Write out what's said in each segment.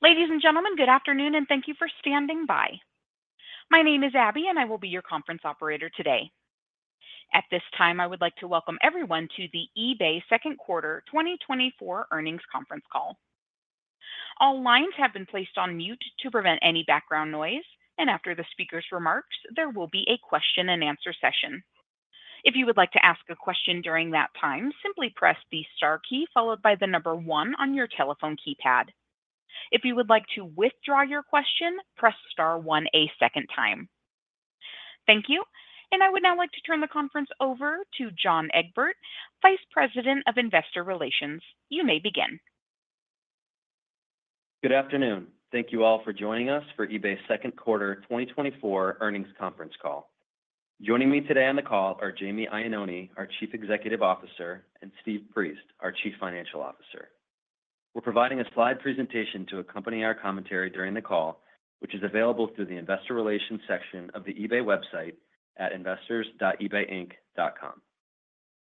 Ladies and gentlemen, good afternoon, and thank you for standing by. My name is Abby, and I will be your conference operator today. At this time, I would like to welcome everyone to the eBay Second Quarter 2024 Earnings Conference Call. All lines have been placed on mute to prevent any background noise, and after the speaker's remarks, there will be a question-and-answer session. If you would like to ask a question during that time, simply press the star key followed by the number one on your telephone keypad. If you would like to withdraw your question, press star one a second time. Thank you, and I would now like to turn the conference over to John Egbert, Vice President of Investor Relations. You may begin. Good afternoon. Thank you all for joining us for eBay's second quarter 2024 earnings conference call. Joining me today on the call are Jamie Iannone, our Chief Executive Officer, and Steve Priest, our Chief Financial Officer. We're providing a slide presentation to accompany our commentary during the call, which is available through the Investor Relations section of the eBay website at investors.ebayinc.com.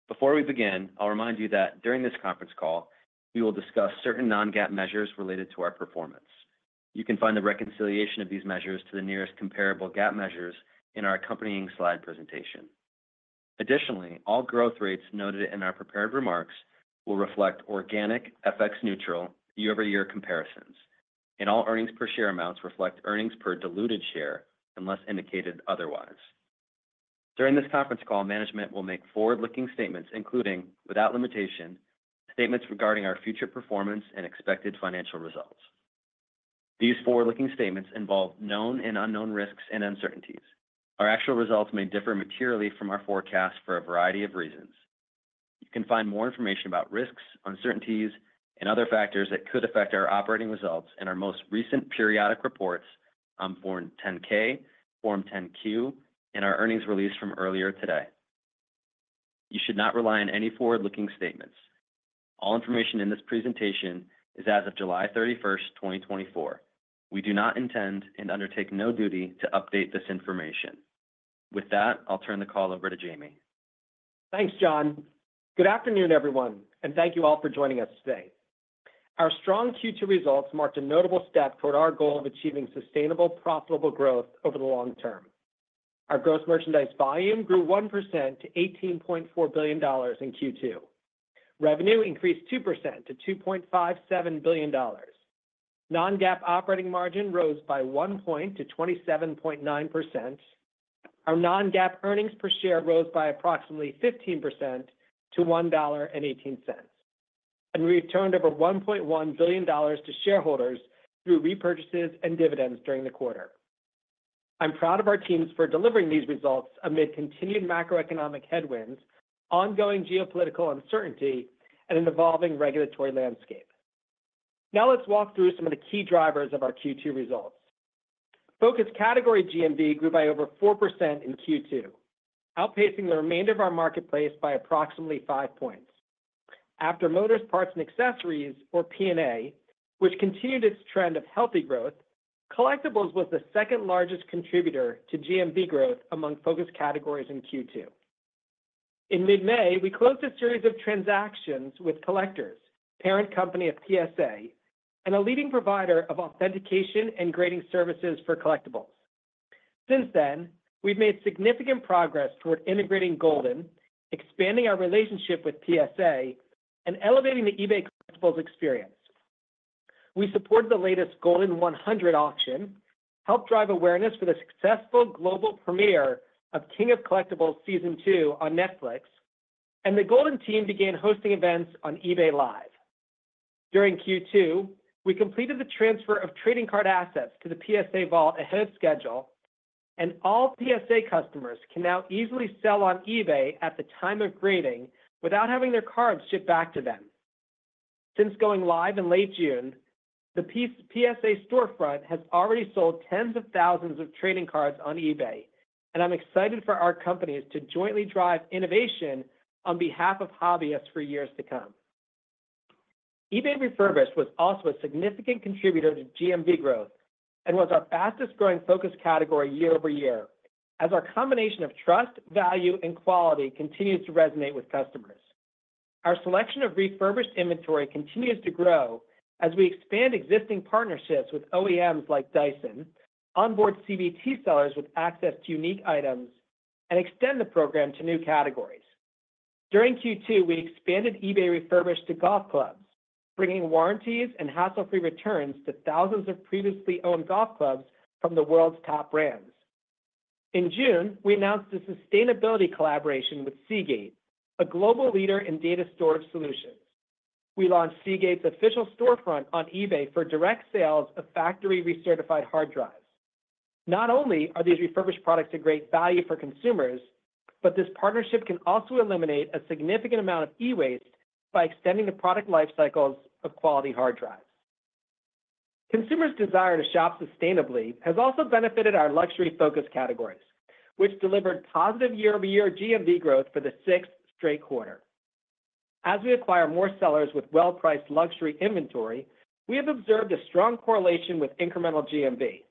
Before we begin, I'll remind you that during this conference call, we will discuss certain non-GAAP measures related to our performance. You can find the reconciliation of these measures to the nearest comparable GAAP measures in our accompanying slide presentation. Additionally, all growth rates noted in our prepared remarks will reflect organic, FX neutral, year-over-year comparisons, and all earnings per share amounts reflect earnings per diluted share unless indicated otherwise. During this conference call, management will make forward-looking statements, including, without limitation, statements regarding our future performance and expected financial results. These forward-looking statements involve known and unknown risks and uncertainties. Our actual results may differ materially from our forecast for a variety of reasons. You can find more information about risks, uncertainties, and other factors that could affect our operating results in our most recent periodic reports on Form 10-K, Form 10-Q, and our earnings release from earlier today. You should not rely on any forward-looking statements. All information in this presentation is as of July 31, 2024. We do not intend and undertake no duty to update this information. With that, I'll turn the call over to Jamie. Thanks, John. Good afternoon, everyone, and thank you all for joining us today. Our strong Q2 results marked a notable step toward our goal of achieving sustainable, profitable growth over the long term. Our gross merchandise volume grew 1% to $18.4 billion in Q2. Revenue increased 2% to $2.57 billion. Non-GAAP operating margin rose by 1 point to 27.9%. Our non-GAAP earnings per share rose by approximately 15% to $1.18, and we've returned over $1.1 billion to shareholders through repurchases and dividends during the quarter. I'm proud of our teams for delivering these results amid continued macroeconomic headwinds, ongoing geopolitical uncertainty, and an evolving regulatory landscape. Now, let's walk through some of the key drivers of our Q2 results. Focused category GMV grew by over 4% in Q2, outpacing the remainder of our marketplace by approximately 5 points. After Motors parts and accessories, or P&A, which continued its trend of healthy growth, Collectibles was the second-largest contributor to GMV growth among focused categories in Q2. In mid-May, we closed a series of transactions with Collectors, parent company of PSA, and a leading provider of authentication and grading services for collectibles. Since then, we've made significant progress toward integrating Goldin, expanding our relationship with PSA, and elevating the eBay Collectibles experience. We supported the latest Goldin 100 auction, helped drive awareness for the successful global premiere of King of Collectibles Season 2 on Netflix, and the Goldin team began hosting events on eBay Live. During Q2, we completed the transfer of trading card assets to the PSA Vault ahead of schedule, and all PSA customers can now easily sell on eBay at the time of grading without having their cards shipped back to them. Since going live in late June, the PSA storefront has already sold tens of thousands of trading cards on eBay, and I'm excited for our companies to jointly drive innovation on behalf of hobbyists for years to come. eBay Refurbished was also a significant contributor to GMV growth and was our fastest-growing focus category year-over-year, as our combination of trust, value, and quality continues to resonate with customers. Our selection of refurbished inventory continues to grow as we expand existing partnerships with OEMs like Dyson, onboard CBT sellers with access to unique items, and extend the program to new categories. During Q2, we expanded eBay Refurbished to golf clubs, bringing warranties and hassle-free returns to thousands of previously owned golf clubs from the world's top brands. In June, we announced a sustainability collaboration with Seagate, a global leader in data storage solutions. We launched Seagate's official storefront on eBay for direct sales of factory recertified hard drives. Not only are these refurbished products a great value for consumers, but this partnership can also eliminate a significant amount of e-waste by extending the product life cycles of quality hard drives. Consumers' desire to shop sustainably has also benefited our luxury-focused categories, which delivered positive year-over-year GMV growth for the sixth straight quarter. As we acquire more sellers with well-priced luxury inventory, we have observed a strong correlation with incremental GMV.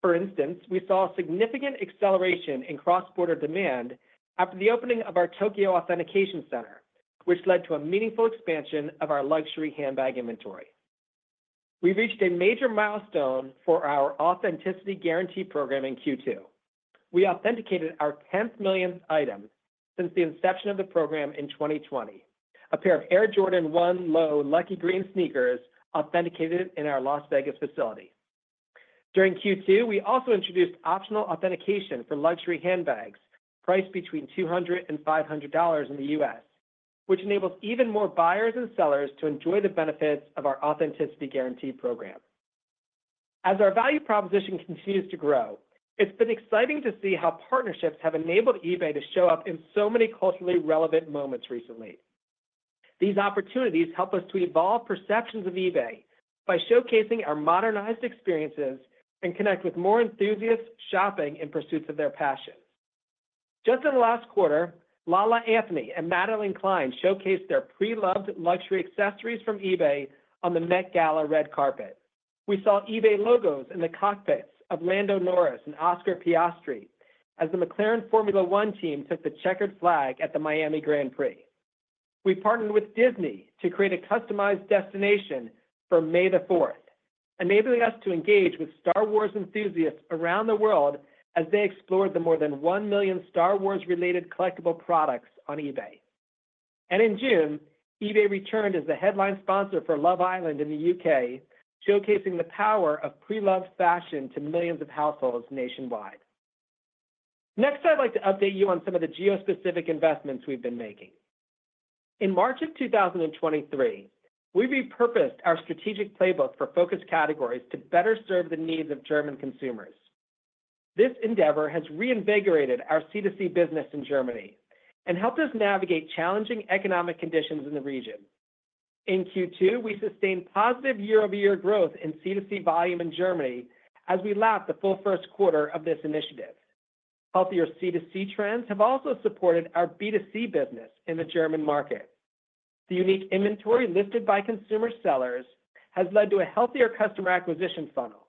For instance, we saw a significant acceleration in cross-border demand after the opening of our Tokyo Authentication Center, which led to a meaningful expansion of our luxury handbag inventory. We reached a major milestone for our Authenticity Guarantee program in Q2. We authenticated our 10th millionth item since the inception of the program in 2020, a pair of Air Jordan 1 Low Lucky Green sneakers authenticated in our Las Vegas facility. During Q2, we also introduced optional authentication for luxury handbags priced between $200 and $500 in the US, which enables even more buyers and sellers to enjoy the benefits of our Authenticity Guarantee program. As our value proposition continues to grow, it's been exciting to see how partnerships have enabled eBay to show up in so many culturally relevant moments recently. These opportunities help us to evolve perceptions of eBay by showcasing our modernized experiences, and connect with more enthusiasts shopping in pursuit of their passions. Just in the last quarter, La La Anthony and Madelyn Cline showcased their pre-loved luxury accessories from eBay on the Met Gala red carpet. We saw eBay logos in the cockpits of Lando Norris and Oscar Piastri, as the McLaren Formula One team took the checkered flag at the Miami Grand Prix. We partnered with Disney to create a customized destination for May the Fourth, enabling us to engage with Star Wars enthusiasts around the world as they explored the more than 1 million Star Wars-related collectible products on eBay. In June, eBay returned as the headline sponsor for Love Island in the U.K., showcasing the power of pre-loved fashion to millions of households nationwide. Next, I'd like to update you on some of the geospecific investments we've been making. In March 2023, we repurposed our strategic playbook for focus categories to better serve the needs of German consumers. This endeavor has reinvigorated our C2C business in Germany and helped us navigate challenging economic conditions in the region. In Q2, we sustained positive year-over-year growth in C2C volume in Germany as we lapped the full first quarter of this initiative. Healthier C2C trends have also supported our B2C business in the German market. The unique inventory listed by consumer sellers has led to a healthier customer acquisition funnel.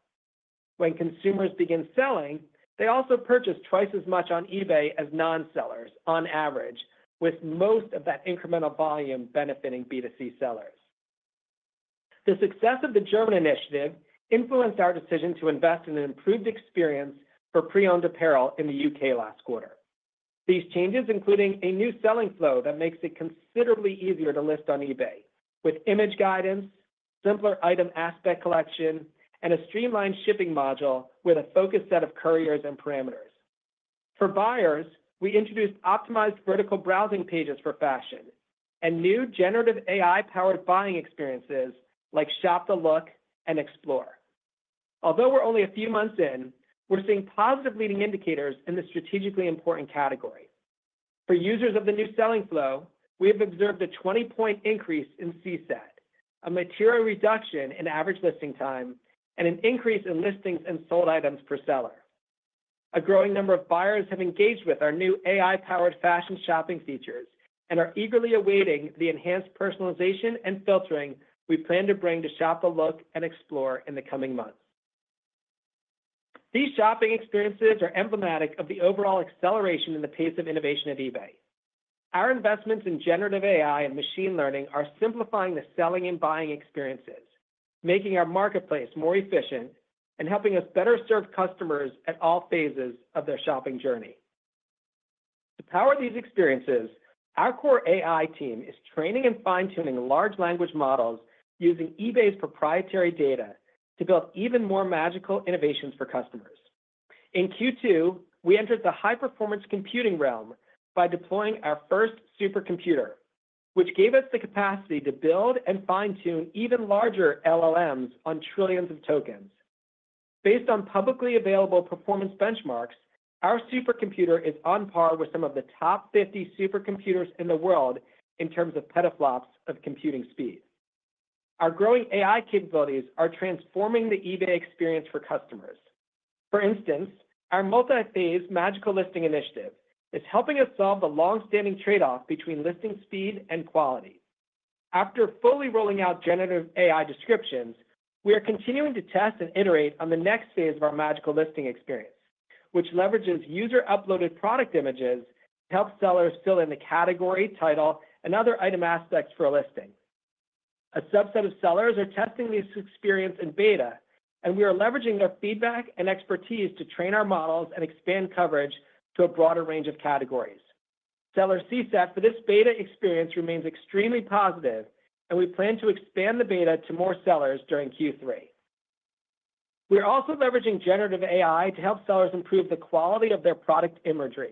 When consumers begin selling, they also purchase twice as much on eBay as non-sellers on average, with most of that incremental volume benefiting B2C sellers. The success of the German initiative influenced our decision to invest in an improved experience for pre-owned apparel in the U.K. last quarter. These changes, including a new selling flow that makes it considerably easier to list on eBay, with image guidance, simpler item aspect collection, and a streamlined shipping module with a focused set of couriers and parameters. For buyers, we introduced optimized vertical browsing pages for fashion and new generative AI-powered buying experiences like Shop the Look and Explore. Although we're only a few months in, we're seeing positive leading indicators in this strategically important category. For users of the new selling flow, we have observed a 20-point increase in CSAT, a material reduction in average listing time, and an increase in listings and sold items per seller. A growing number of buyers have engaged with our new AI-powered fashion shopping features, and are eagerly awaiting the enhanced personalization and filtering we plan to bring to Shop the Look and Explore in the coming months. These shopping experiences are emblematic of the overall acceleration in the pace of innovation at eBay. Our investments in generative AI and machine learning are simplifying the selling and buying experiences, making our marketplace more efficient, and helping us better serve customers at all phases of their shopping journey. To power these experiences, our core AI team is training and fine-tuning large language models using eBay's proprietary data to build even more magical innovations for customers. In Q2, we entered the high-performance computing realm by deploying our first supercomputer, which gave us the capacity to build and fine-tune even larger LLMs on trillions of tokens. Based on publicly available performance benchmarks, our supercomputer is on par with some of the top 50 supercomputers in the world in terms of petaFLOPS of computing speed. Our growing AI capabilities are transforming the eBay experience for customers. For instance, our multi-phase magical listing initiative is helping us solve the long-standing trade-off between listing speed and quality. After fully rolling out generative AI descriptions, we are continuing to test and iterate on the next phase of our magical listing experience, which leverages user-uploaded product images to help sellers fill in the category, title, and other item aspects for a listing. A subset of sellers are testing this experience in beta, and we are leveraging their feedback and expertise to train our models and expand coverage to a broader range of categories. Seller CSAT for this beta experience remains extremely positive, and we plan to expand the beta to more sellers during Q3. We are also leveraging generative AI to help sellers improve the quality of their product imagery.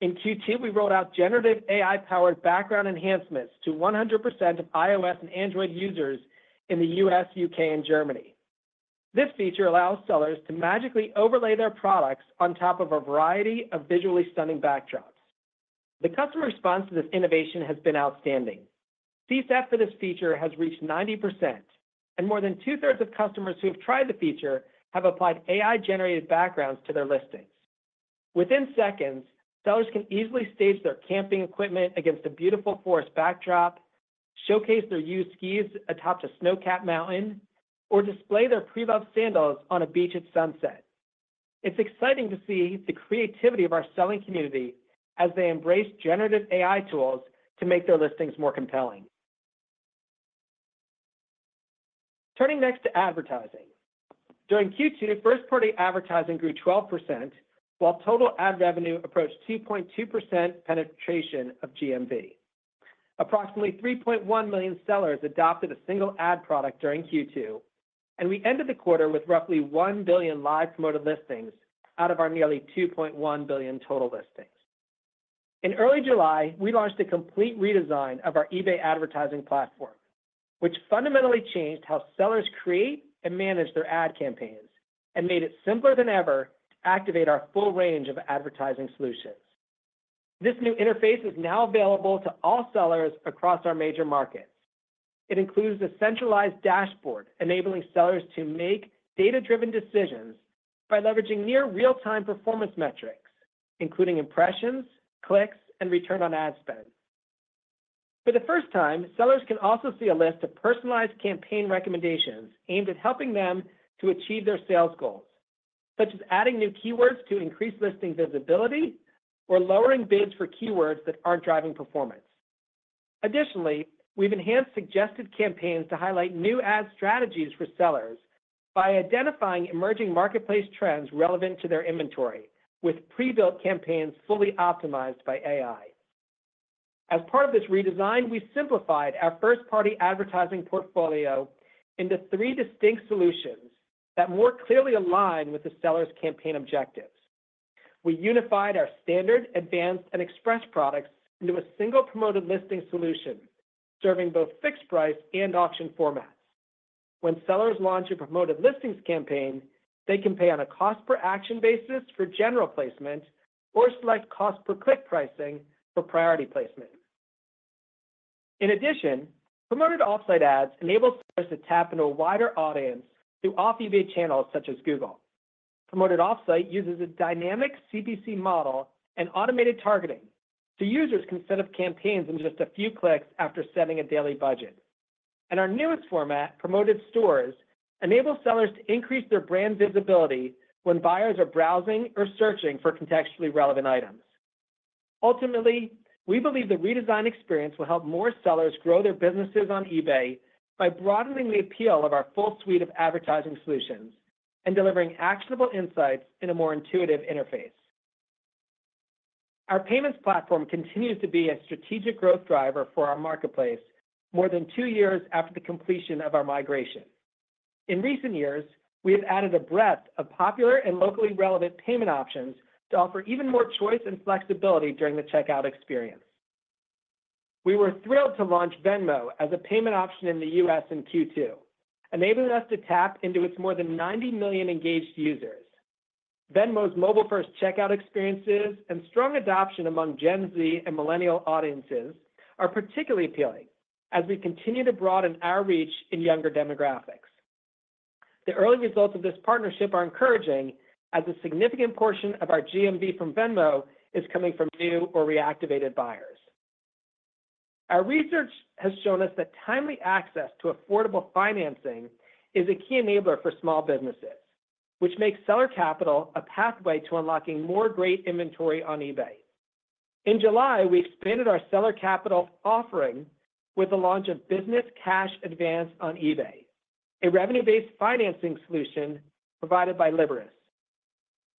In Q2, we rolled out generative AI-powered background enhancements to 100% of iOS and Android users in the U.S., U.K., and Germany. This feature allows sellers to magically overlay their products on top of a variety of visually stunning backdrops. The customer response to this innovation has been outstanding. CSAT for this feature has reached 90%, and more than two-thirds of customers who have tried the feature have applied AI-generated backgrounds to their listings. Within seconds, sellers can easily stage their camping equipment against a beautiful forest backdrop, showcase their used skis atop a snow-capped mountain, or display their pre-loved sandals on a beach at sunset. It's exciting to see the creativity of our selling community as they embrace generative AI tools to make their listings more compelling. Turning next to advertising. During Q2, first-party advertising grew 12%, while total ad revenue approached 2.2% penetration of GMV. Approximately 3.1 million sellers adopted a single ad product during Q2, and we ended the quarter with roughly 1 billion live promoted listings out of our nearly 2.1 billion total listings. In early July, we launched a complete redesign of our eBay advertising platform, which fundamentally changed how sellers create and manage their ad campaigns and made it simpler than ever to activate our full range of advertising solutions. This new interface is now available to all sellers across our major markets. It includes a centralized dashboard, enabling sellers to make data-driven decisions by leveraging near real-time performance metrics, including impressions, clicks, and return on ad spend. For the first time, sellers can also see a list of personalized campaign recommendations aimed at helping them to achieve their sales goals, such as adding new keywords to increase listing visibility or lowering bids for keywords that aren't driving performance. Additionally, we've enhanced suggested campaigns to highlight new ad strategies for sellers by identifying emerging marketplace trends relevant to their inventory, with pre-built campaigns fully optimized by AI. As part of this redesign, we simplified our first-party advertising portfolio into three distinct solutions that more clearly align with the seller's campaign objectives. We unified our standard, advanced, and express products into a single Promoted Listings solution, serving both fixed price and auction formats. When sellers launch a Promoted Listings campaign, they can pay on a cost per action basis for general placement or select cost per click pricing for priority placement. In addition, Promoted Offsite ads enable sellers to tap into a wider audience through off-eBay channels such as Google. Promoted Offsite uses a dynamic CPC model and automated targeting, so users can set up campaigns in just a few clicks after setting a daily budget. Our newest format, Promoted Stores, enable sellers to increase their brand visibility when buyers are browsing or searching for contextually relevant items. Ultimately, we believe the redesigned experience will help more sellers grow their businesses on eBay by broadening the appeal of our full suite of advertising solutions and delivering actionable insights in a more intuitive interface. Our payments platform continues to be a strategic growth driver for our marketplace more than two years after the completion of our migration. In recent years, we have added a breadth of popular and locally relevant payment options to offer even more choice and flexibility during the checkout experience. We were thrilled to launch Venmo as a payment option in the U.S. in Q2, enabling us to tap into its more than 90 million engaged users. Venmo's mobile-first checkout experiences and strong adoption among Gen Z and millennial audiences are particularly appealing as we continue to broaden our reach in younger demographics. The early results of this partnership are encouraging, as a significant portion of our GMV from Venmo is coming from new or reactivated buyers. Our research has shown us that timely access to affordable financing is a key enabler for small businesses, which makes seller capital a pathway to unlocking more great inventory on eBay. In July, we expanded our seller capital offering with the launch of Business Cash Advance on eBay, a revenue-based financing solution provided by Liberis.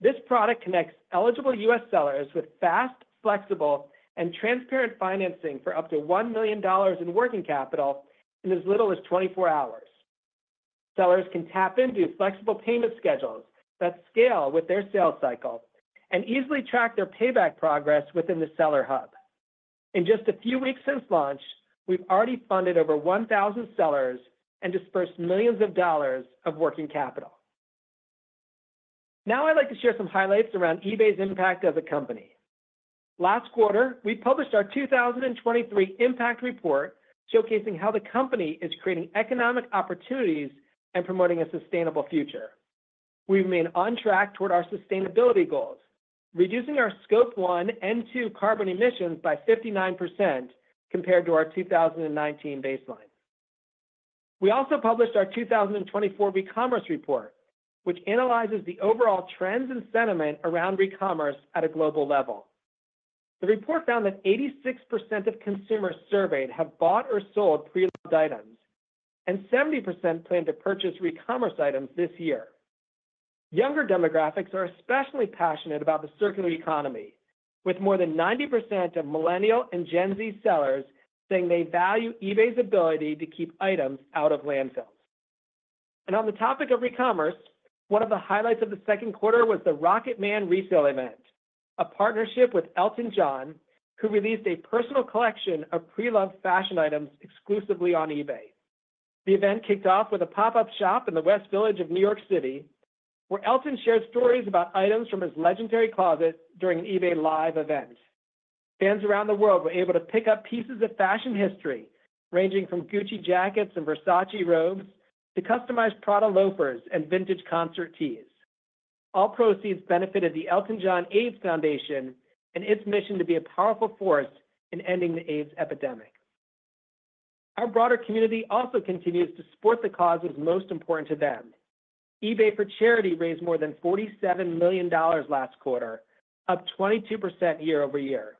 This product connects eligible U.S. sellers with fast, flexible, and transparent financing for up to $1 million in working capital in as little as 24 hours. Sellers can tap into flexible payment schedules that scale with their sales cycle and easily track their payback progress within the Seller Hub. In just a few weeks since launch, we've already funded over 1,000 sellers and dispersed $ millions of working capital. Now, I'd like to share some highlights around eBay's impact as a company. Last quarter, we published our 2023 impact report, showcasing how the company is creating economic opportunities and promoting a sustainable future. We remain on track toward our sustainability goals, reducing our Scope 1 and 2 carbon emissions by 59% compared to our 2019 baseline. We also published our 2024 Recommerce Report, which analyzes the overall trends and sentiment around recommerce at a global level. The report found that 86% of consumers surveyed have bought or sold pre-loved items, and 70% plan to purchase recommerce items this year. Younger demographics are especially passionate about the circular economy, with more than 90% of millennial and Gen Z sellers saying they value eBay's ability to keep items out of landfills. On the topic of recommerce, one of the highlights of the second quarter was the Rocket Man Resale event, a partnership with Elton John, who released a personal collection of pre-loved fashion items exclusively on eBay. The event kicked off with a pop-up shop in the West Village of New York City, where Elton shared stories about items from his legendary closet during an eBay Live event. Fans around the world were able to pick up pieces of fashion history, ranging from Gucci jackets and Versace robes to customized Prada loafers and vintage concert tees. All proceeds benefited the Elton John AIDS Foundation and its mission to be a powerful force in ending the AIDS epidemic. Our broader community also continues to support the causes most important to them. eBay for Charity raised more than $47 million last quarter, up 22% year-over-year.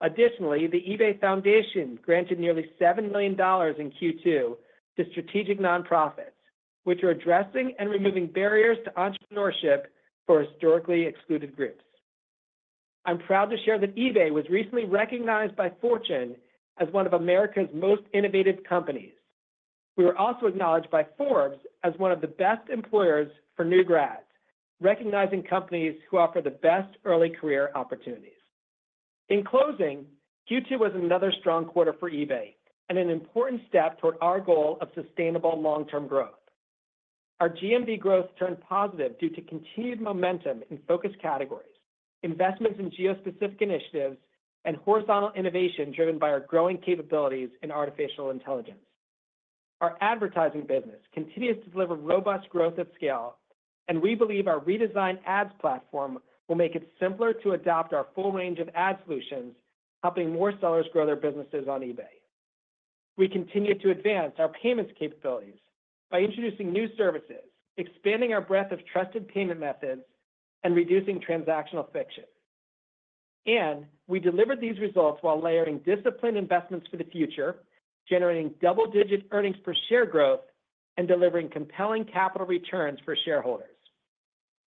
Additionally, the eBay Foundation granted nearly $7 million in Q2 to strategic nonprofits, which are addressing and removing barriers to entrepreneurship for historically excluded groups. I'm proud to share that eBay was recently recognized by Fortune as one of America's most innovative companies. We were also acknowledged by Forbes as one of the best employers for new grads, recognizing companies who offer the best early career opportunities. In closing, Q2 was another strong quarter for eBay and an important step toward our goal of sustainable long-term growth. Our GMV growth turned positive due to continued momentum in focus categories, investments in geo-specific initiatives, and horizontal innovation driven by our growing capabilities in artificial intelligence. Our advertising business continues to deliver robust growth at scale, and we believe our redesigned ads platform will make it simpler to adopt our full range of ad solutions, helping more sellers grow their businesses on eBay. We continue to advance our payments capabilities by introducing new services, expanding our breadth of trusted payment methods, and reducing transactional friction. We delivered these results while layering disciplined investments for the future, generating double-digit earnings per share growth, and delivering compelling capital returns for shareholders.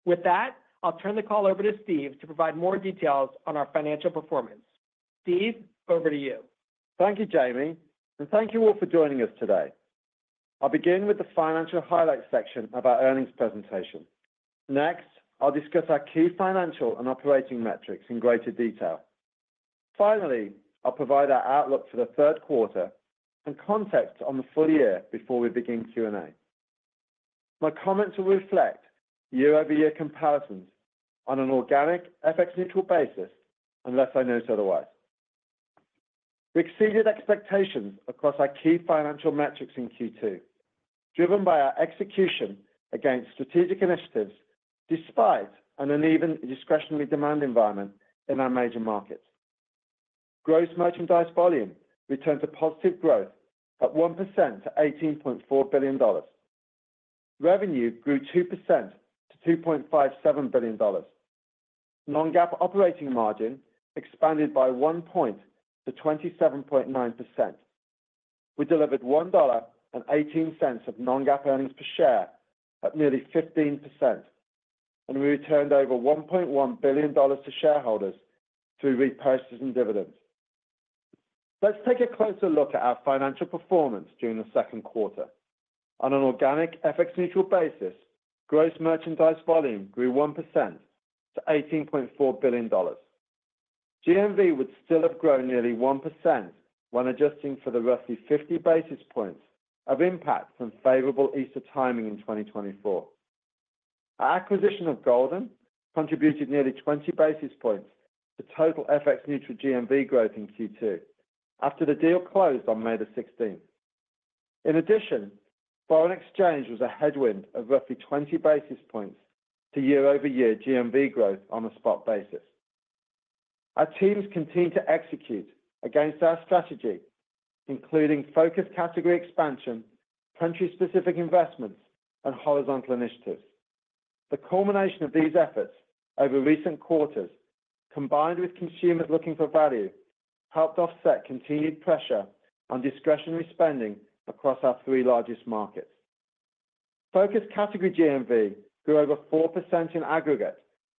With that, I'll turn the call over to Steve to provide more details on our financial performance. Steve, over to you. Thank you, Jamie, and thank you all for joining us today. I'll begin with the financial highlights section of our earnings presentation. Next, I'll discuss our key financial and operating metrics in greater detail. Finally, I'll provide our outlook for the third quarter and context on the full year before we begin Q&A. My comments will reflect year-over-year comparisons on an organic, FX-neutral basis, unless I note otherwise. We exceeded expectations across our key financial metrics in Q2, driven by our execution against strategic initiatives, despite an uneven discretionary demand environment in our major markets. Gross merchandise volume returned to positive growth at 1% to $18.4 billion. Revenue grew 2% to $2.57 billion. Non-GAAP operating margin expanded by 1 point to 27.9%. We delivered $1.18 of non-GAAP earnings per share at nearly 15%, and we returned over $1.1 billion to shareholders through repurchases and dividends. Let's take a closer look at our financial performance during the second quarter. On an organic, FX-neutral basis, gross merchandise volume grew 1% to $18.4 billion. GMV would still have grown nearly 1% when adjusting for the roughly 50 basis points of impact from favorable Easter timing in 2024. Our acquisition of Goldin contributed nearly 20 basis points to total FX-neutral GMV growth in Q2 after the deal closed on May 16. In addition, foreign exchange was a headwind of roughly 20 basis points to year-over-year GMV growth on a spot basis. Our teams continued to execute against our strategy, including focused category expansion, country-specific investments, and horizontal initiatives. The culmination of these efforts over recent quarters, combined with consumers looking for value, helped offset continued pressure on discretionary spending across our three largest markets. Focused category GMV grew over 4% in aggregate,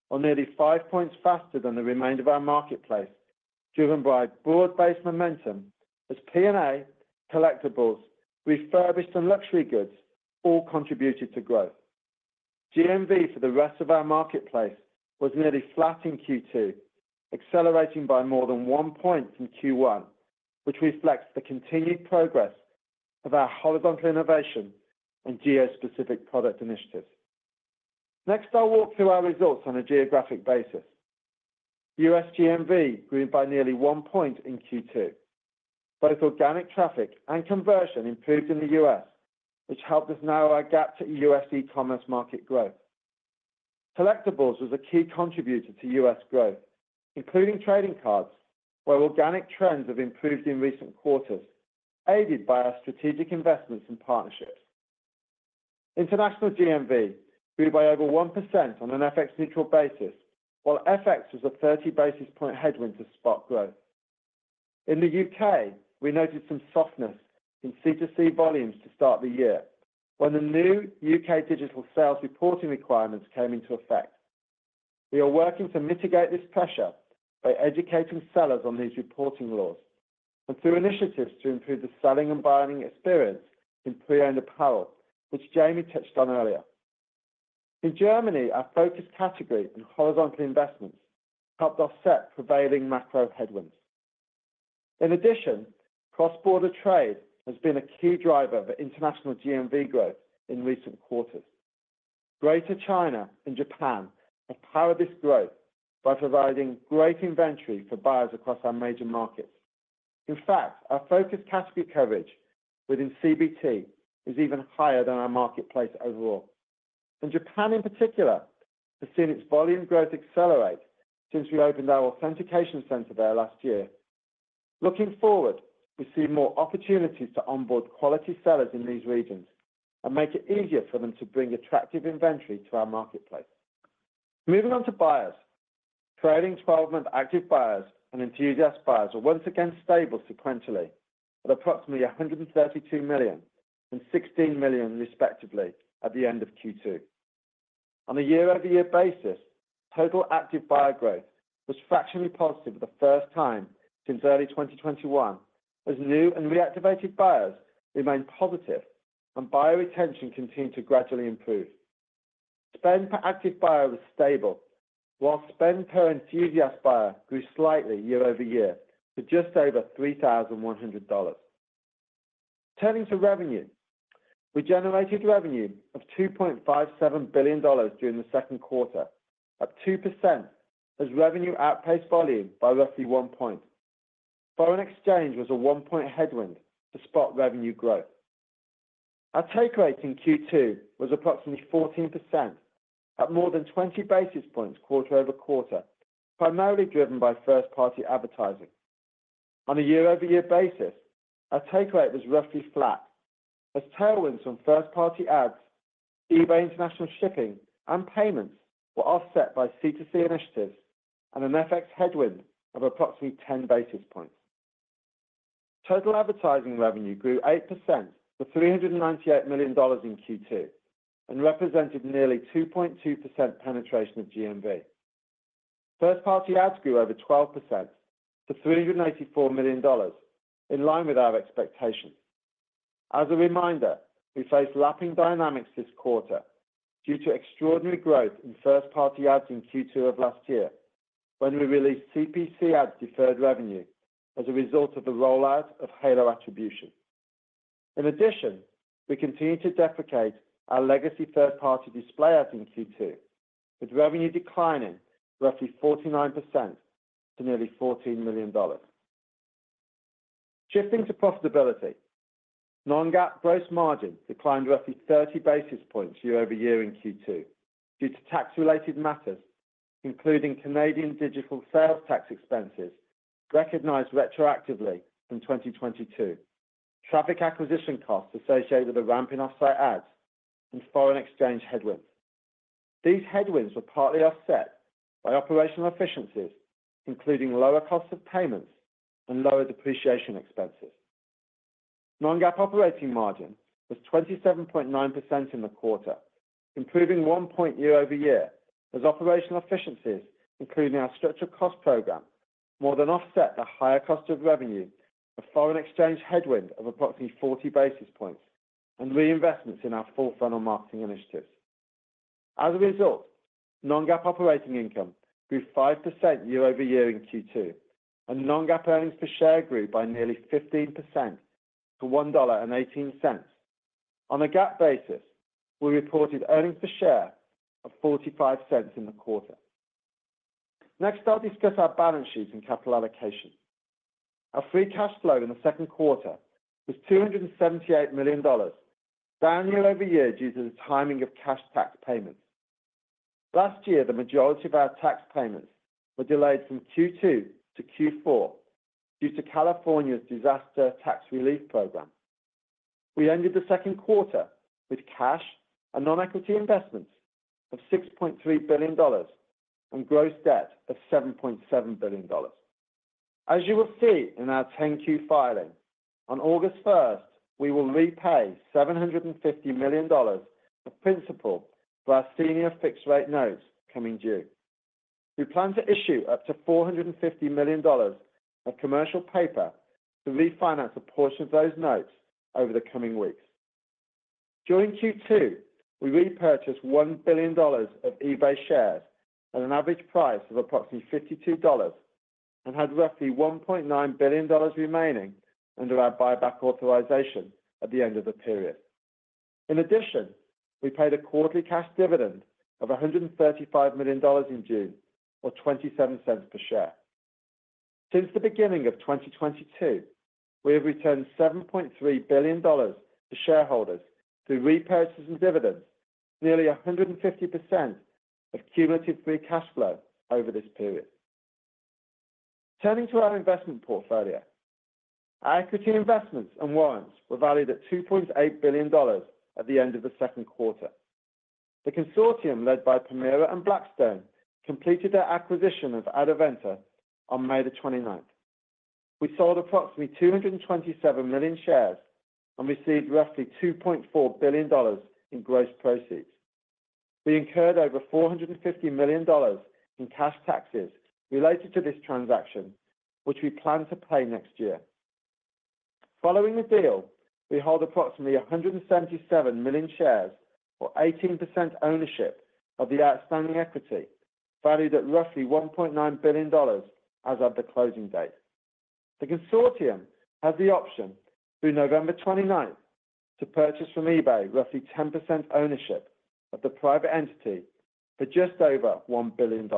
or nearly 5 points faster than the remainder of our marketplace, driven by broad-based momentum as PNA, collectibles, refurbished and luxury goods all contributed to growth. GMV for the rest of our marketplace was nearly flat in Q2, accelerating by more than 1 point from Q1, which reflects the continued progress of our horizontal innovation and geo-specific product initiatives. Next, I'll walk through our results on a geographic basis. U.S. GMV grew by nearly 1 point in Q2. Both organic traffic and conversion improved in the U.S., which helped us narrow our gap to U.S. e-commerce market growth. Collectibles was a key contributor to U.S. growth, including trading cards, where organic trends have improved in recent quarters, aided by our strategic investments and partnerships. International GMV grew by over 1% on an FX neutral basis, while FX was a 30 basis point headwind to spot growth. In the U.K., we noted some softness in C2C volumes to start the year, when the new U.K. digital sales reporting requirements came into effect. We are working to mitigate this pressure by educating sellers on these reporting laws and through initiatives to improve the selling and buying experience in pre-owned apparel, which Jamie touched on earlier. In Germany, our focused category and horizontal investments helped offset prevailing macro headwinds. In addition, cross-border trade has been a key driver for international GMV growth in recent quarters. Greater China and Japan have powered this growth by providing great inventory for buyers across our major markets. In fact, our focused category coverage within CBT is even higher than our marketplace overall. Japan, in particular, has seen its volume growth accelerate since we opened our authentication center there last year. Looking forward, we see more opportunities to onboard quality sellers in these regions and make it easier for them to bring attractive inventory to our marketplace. Moving on to buyers. Trailing twelve-month active buyers and enthusiast buyers were once again stable sequentially, at approximately 132 million and 16 million, respectively, at the end of Q2. On a year-over-year basis, total active buyer growth was fractionally positive for the first time since early 2021, as new and reactivated buyers remained positive and buyer retention continued to gradually improve. Spend per active buyer was stable, while spend per enthusiast buyer grew slightly year over year to just over $3,100. Turning to revenue, we generated revenue of $2.57 billion during the second quarter, up 2% as revenue outpaced volume by roughly 1 point. Foreign exchange was a 1-point headwind to spot revenue growth. Our take rate in Q2 was approximately 14%, at more than 20 basis points quarter-over-quarter, primarily driven by first-party advertising. On a year-over-year basis, our take rate was roughly flat, as tailwinds from first-party ads, eBay international shipping, and payments were offset by C2C initiatives and an FX headwind of approximately 10 basis points. Total advertising revenue grew 8% to $398 million in Q2 and represented nearly 2.2% penetration of GMV. First-party ads grew over 12% to $384 million, in line with our expectations. As a reminder, we face lapping dynamics this quarter due to extraordinary growth in first-party ads in Q2 of last year, when we released CPC ads deferred revenue as a result of the rollout of Halo Attribution. In addition, we continue to deprecate our legacy third-party display ads in Q2, with revenue declining roughly 49% to nearly $14 million. Shifting to profitability. Non-GAAP gross margin declined roughly 30 basis points year-over-year in Q2 due to tax-related matters, including Canadian digital sales tax expenses recognized retroactively from 2022, traffic acquisition costs associated with the ramping offsite ads, and foreign exchange headwinds. These headwinds were partly offset by operational efficiencies, including lower cost of payments and lower depreciation expenses. Non-GAAP operating margin was 27.9% in the quarter, improving 1 point year-over-year, as operational efficiencies, including our structural cost program, more than offset the higher cost of revenue, a foreign exchange headwind of approximately 40 basis points, and reinvestments in our full funnel marketing initiatives. As a result, non-GAAP operating income grew 5% year-over-year in Q2, and non-GAAP earnings per share grew by nearly 15% to $1.18. On a GAAP basis, we reported earnings per share of $0.45 in the quarter. Next, I'll discuss our balance sheet and capital allocation. Our free cash flow in the second quarter was $278 million, down year-over-year due to the timing of cash tax payments. Last year, the majority of our tax payments were delayed from Q2 to Q4 due to California's disaster tax relief program. We ended the second quarter with cash and non-equity investments of $6.3 billion and gross debt of $7.7 billion. As you will see in our 10-Q filing, on August first, we will repay $750 million of principal for our senior fixed-rate notes coming due. We plan to issue up to $450 million of commercial paper to refinance a portion of those notes over the coming weeks. During Q2, we repurchased $1 billion of eBay shares at an average price of approximately $52 and had roughly $1.9 billion remaining under our buyback authorization at the end of the period. In addition, we paid a quarterly cash dividend of $135 million in June, or $0.27 per share. Since the beginning of 2022, we have returned $7.3 billion to shareholders through repurchases and dividends, nearly 150% of cumulative free cash flow over this period. Turning to our investment portfolio, our equity investments and warrants were valued at $2.8 billion at the end of the second quarter. The consortium, led by Permira and Blackstone, completed their acquisition of Adevinta on May 29. We sold approximately 227 million shares and received roughly $2.4 billion in gross proceeds. We incurred over $450 million in cash taxes related to this transaction, which we plan to pay next year. Following the deal, we hold approximately 177 million shares, or 18% ownership of the outstanding equity, valued at roughly $1.9 billion as of the closing date. The consortium has the option, through November 29th, to purchase from eBay roughly 10% ownership of the private entity for just over $1 billion.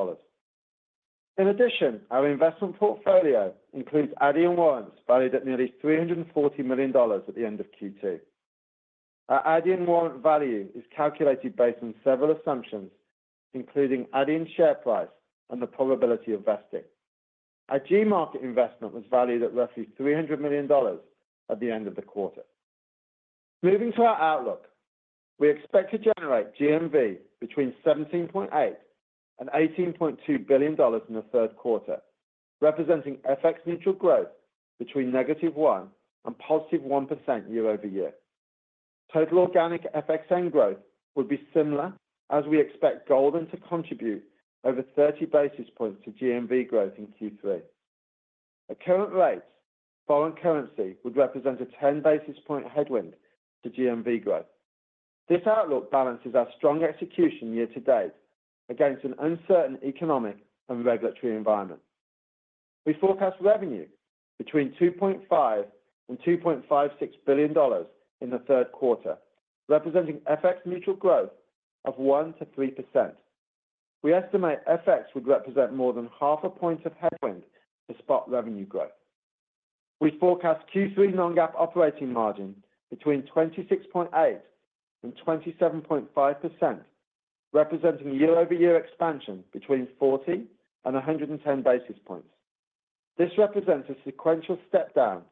In addition, our investment portfolio includes Adyen warrants valued at nearly $340 million at the end of Q2. Our Adyen warrant value is calculated based on several assumptions, including Adyen share price and the probability of vesting. Our Gmarket investment was valued at roughly $300 million at the end of the quarter. Moving to our outlook, we expect to generate GMV between $17.8 billion and $18.2 billion in the third quarter, representing FX-neutral growth between -1% and +1% year-over-year. Total organic FX-neutral growth would be similar, as we expect Goldin to contribute over 30 basis points to GMV growth in Q3. At current rates, foreign currency would represent a 10 basis point headwind to GMV growth. This outlook balances our strong execution year-to-date against an uncertain economic and regulatory environment. We forecast revenue between $2.5 billion and $2.56 billion in the third quarter, representing FX-neutral growth of 1%-3%. We estimate FX would represent more than half a point of headwind to spot revenue growth. We forecast Q3 non-GAAP operating margin between 26.8% and 27.5%, representing a year-over-year expansion between 40 and 110 basis points. This represents a sequential step down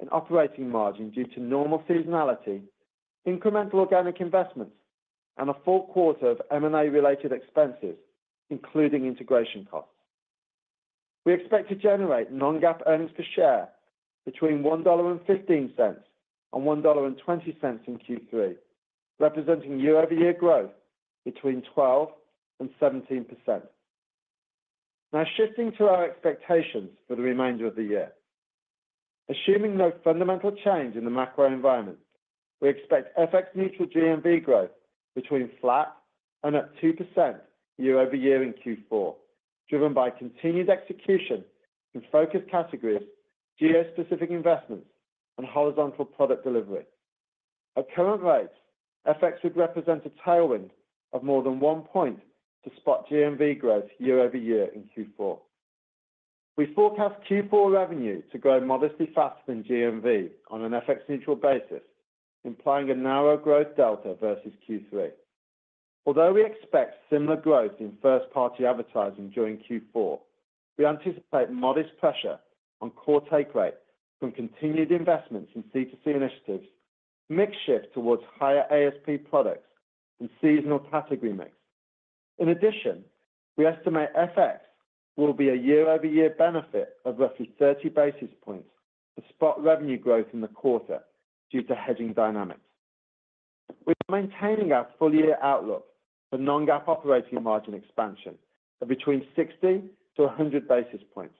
in operating margin due to normal seasonality, incremental organic investments, and a full quarter of M&A-related expenses, including integration costs. We expect to generate non-GAAP earnings per share between $1.15 and $1.20 in Q3, representing year-over-year growth between 12% and 17%. Now, shifting to our expectations for the remainder of the year. Assuming no fundamental change in the macro environment, we expect FX neutral GMV growth between flat and 2% year-over-year in Q4, driven by continued execution in focused categories, geo-specific investments, and horizontal product delivery. At current rates, FX would represent a tailwind of more than 1 point to spot GMV growth year-over-year in Q4. We forecast Q4 revenue to grow modestly faster than GMV on an FX-neutral basis, implying a narrow growth delta versus Q3. Although we expect similar growth in first-party advertising during Q4, we anticipate modest pressure on core take rate from continued investments in C2C initiatives, mix shift towards higher ASP products, and seasonal category mix. In addition, we estimate FX will be a year-over-year benefit of roughly 30 basis points to spot revenue growth in the quarter due to hedging dynamics. We are maintaining our full-year outlook for non-GAAP operating margin expansion of between 60 to 100 basis points.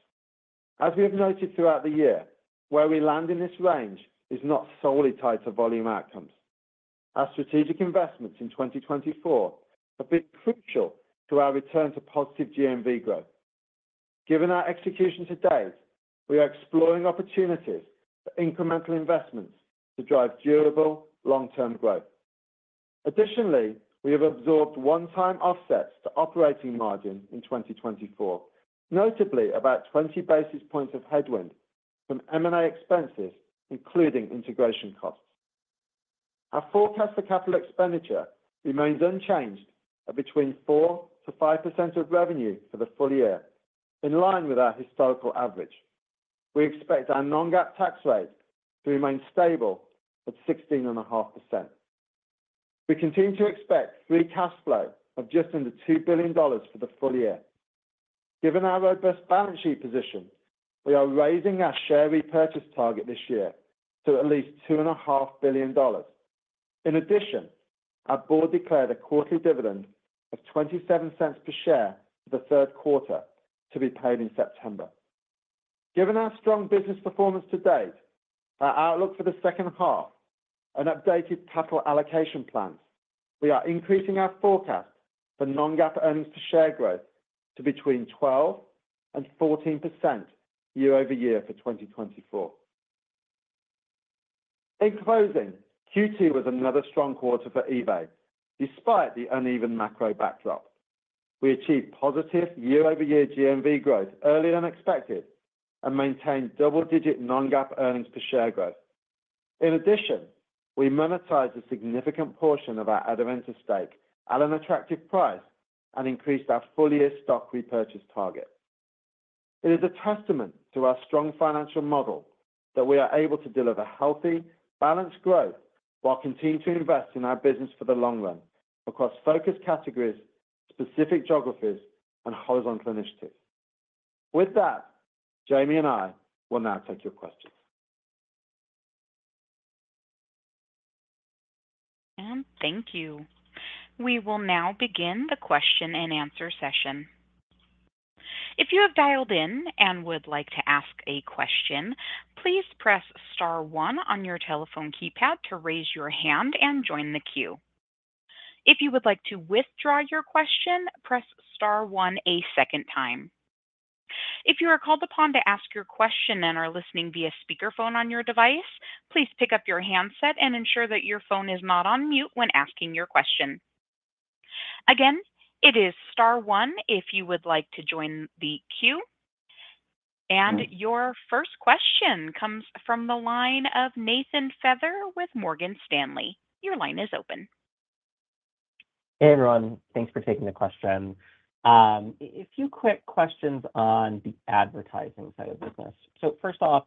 As we have noted throughout the year, where we land in this range is not solely tied to volume outcomes. Our strategic investments in 2024 have been crucial to our return to positive GMV growth. Given our execution to date, we are exploring opportunities for incremental investments to drive durable, long-term growth. Additionally, we have absorbed one-time offsets to operating margin in 2024, notably about 20 basis points of headwind from M&A expenses, including integration costs. Our forecast for capital expenditure remains unchanged at between 4%-5% of revenue for the full year, in line with our historical average. We expect our non-GAAP tax rate to remain stable at 16.5%. We continue to expect free cash flow of just under $2 billion for the full year. Given our robust balance sheet position, we are raising our share repurchase target this year to at least $2.5 billion. In addition, our board declared a quarterly dividend of $0.27 per share for the third quarter to be paid in September. Given our strong business performance to date, our outlook for the second half, and updated capital allocation plans, we are increasing our forecast for non-GAAP earnings per share growth to between 12% and 14% year-over-year for 2024. In closing, Q2 was another strong quarter for eBay, despite the uneven macro backdrop. We achieved positive year-over-year GMV growth earlier than expected and maintained double-digit non-GAAP earnings per share growth. In addition, we monetized a significant portion of our Adevinta stake at an attractive price and increased our full-year stock repurchase target. It is a testament to our strong financial model that we are able to deliver healthy, balanced growth while continuing to invest in our business for the long run across focused categories, specific geographies, and horizontal initiatives. With that, Jamie and I will now take your questions. Thank you. We will now begin the question-and-answer session. If you have dialed in and would like to ask a question, please press star one on your telephone keypad to raise your hand and join the queue. If you would like to withdraw your question, press star one a second time. If you are called upon to ask your question and are listening via speakerphone on your device, please pick up your handset and ensure that your phone is not on mute when asking your question. Again, it is star one if you would like to join the queue. Your first question comes from the line of Nathan Feather with Morgan Stanley. Your line is open. Hey, everyone. Thanks for taking the question. A few quick questions on the advertising side of the business. So first off,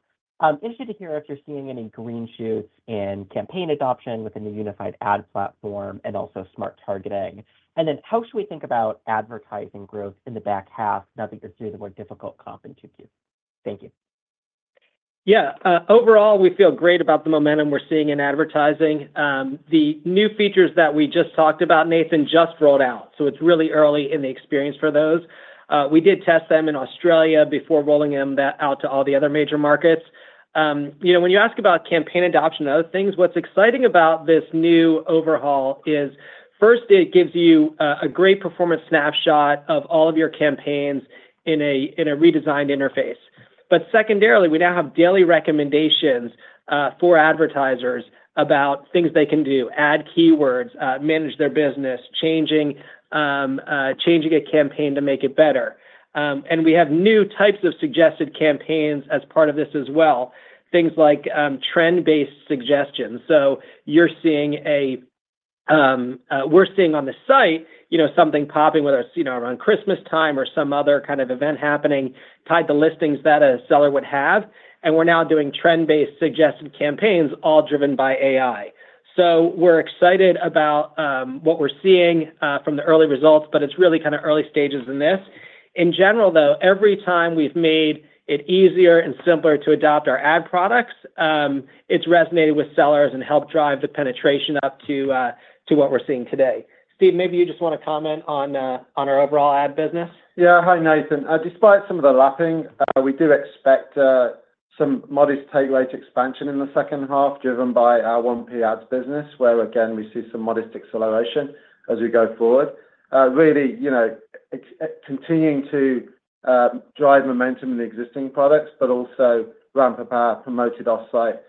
interested to hear if you're seeing any green shoots in campaign adoption within the unified ad platform and also smart targeting. And then how should we think about advertising growth in the back half, now that you're through the more difficult comp in Q2? Thank you. Yeah, overall, we feel great about the momentum we're seeing in advertising. The new features that we just talked about, Nathan, just rolled out, so it's really early in the experience for those. We did test them in Australia before rolling them out to all the other major markets. You know, when you ask about campaign adoption and other things, what's exciting about this new overhaul is, first, it gives you a great performance snapshot of all of your campaigns in a redesigned interface. But secondarily, we now have daily recommendations for advertisers about things they can do, add keywords, manage their business, changing a campaign to make it better. And we have new types of suggested campaigns as part of this as well, things like trend-based suggestions. So you're seeing a... We're seeing on the site, you know, something popping, whether it's, you know, around Christmas time or some other kind of event happening, tied to listings that a seller would have, and we're now doing trend-based suggested campaigns, all driven by AI. So we're excited about what we're seeing from the early results, but it's really kind of early stages in this. In general, though, every time we've made it easier and simpler to adopt our ad products, it's resonated with sellers and helped drive the penetration up to what we're seeing today. Steve, maybe you just want to comment on our overall ad business? Yeah. Hi, Nathan. Despite some of the lapping, we do expect some modest take rate expansion in the second half, driven by our 1P ads business, where again, we see some modest acceleration as we go forward. Really, you know, it's continuing to drive momentum in the existing products, but also ramp up our Promoted Offsite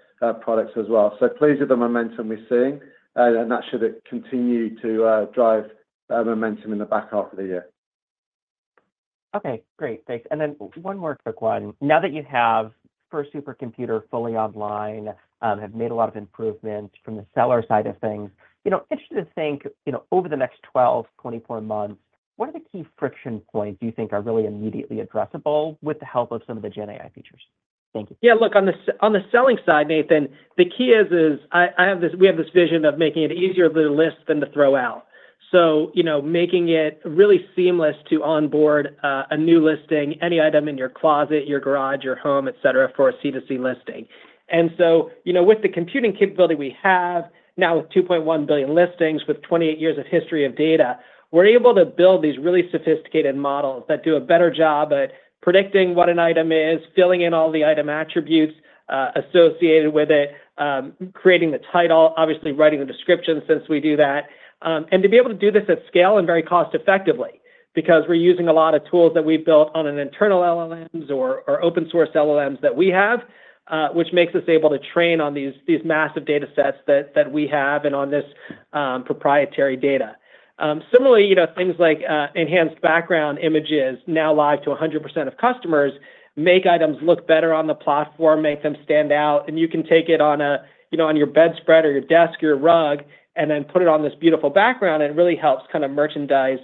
products as well. So pleased with the momentum we're seeing, and that should continue to drive momentum in the back half of the year. Okay, great. Thanks. And then one more quick one. Now that you have first supercomputer fully online, have made a lot of improvements from the seller side of things, you know, interested to think, you know, over the next 12, 24 months, what are the key friction points do you think are really immediately addressable with the help of some of the Gen AI features? Thank you. Yeah, look, on the selling side, Nathan, the key is we have this vision of making it easier to list than to throw out. So, you know, making it really seamless to onboard a new listing, any item in your closet, your garage, your home, et cetera, for a C2C listing. And so, you know, with the computing capability we have now, with 2.1 billion listings, with 28 years of history of data, we're able to build these really sophisticated models that do a better job at predicting what an item is, filling in all the item attributes associated with it, creating the title, obviously writing the description, since we do that. And to be able to do this at scale and very cost effectively, because we're using a lot of tools that we've built on an internal LLMs or, or open source LLMs that we have, which makes us able to train on these, these massive data sets that, that we have and on this, proprietary data. Similarly, you know, things like, enhanced background images now live to 100% of customers, make items look better on the platform, make them stand out, and you can take it on a, you know, on your bedspread or your desk, your rug, and then put it on this beautiful background, and it really helps kind of merchandise,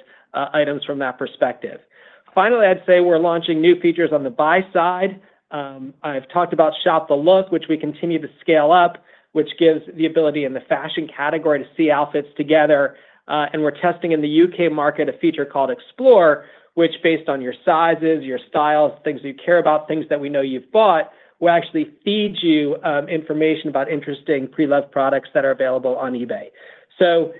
items from that perspective. Finally, I'd say we're launching new features on the buy side. I've talked about Shop the Look, which we continue to scale up, which gives the ability in the fashion category to see outfits together. And we're testing in the UK market a feature called Explore, which based on your sizes, your styles, things you care about, things that we know you've bought, will actually feed you information about interesting pre-loved products that are available on eBay. So,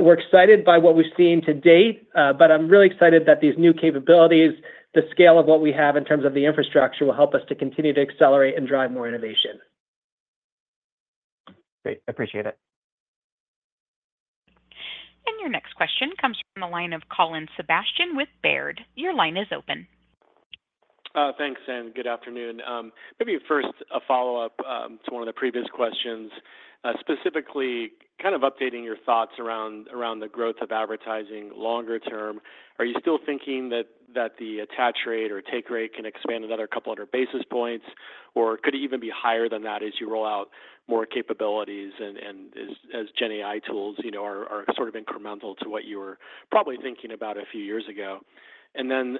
we're excited by what we've seen to date, but I'm really excited that these new capabilities, the scale of what we have in terms of the infrastructure, will help us to continue to accelerate and drive more innovation. Great. I appreciate it. Your next question comes from the line of Colin Sebastian with Baird. Your line is open. Thanks, and good afternoon. Maybe first, a follow-up to one of the previous questions, specifically kind of updating your thoughts around the growth of advertising longer term. Are you still thinking that the attach rate or take rate can expand another couple hundred basis points, or could it even be higher than that as you roll out more capabilities and as Gen AI tools, you know, are sort of incremental to what you were probably thinking about a few years ago? And then,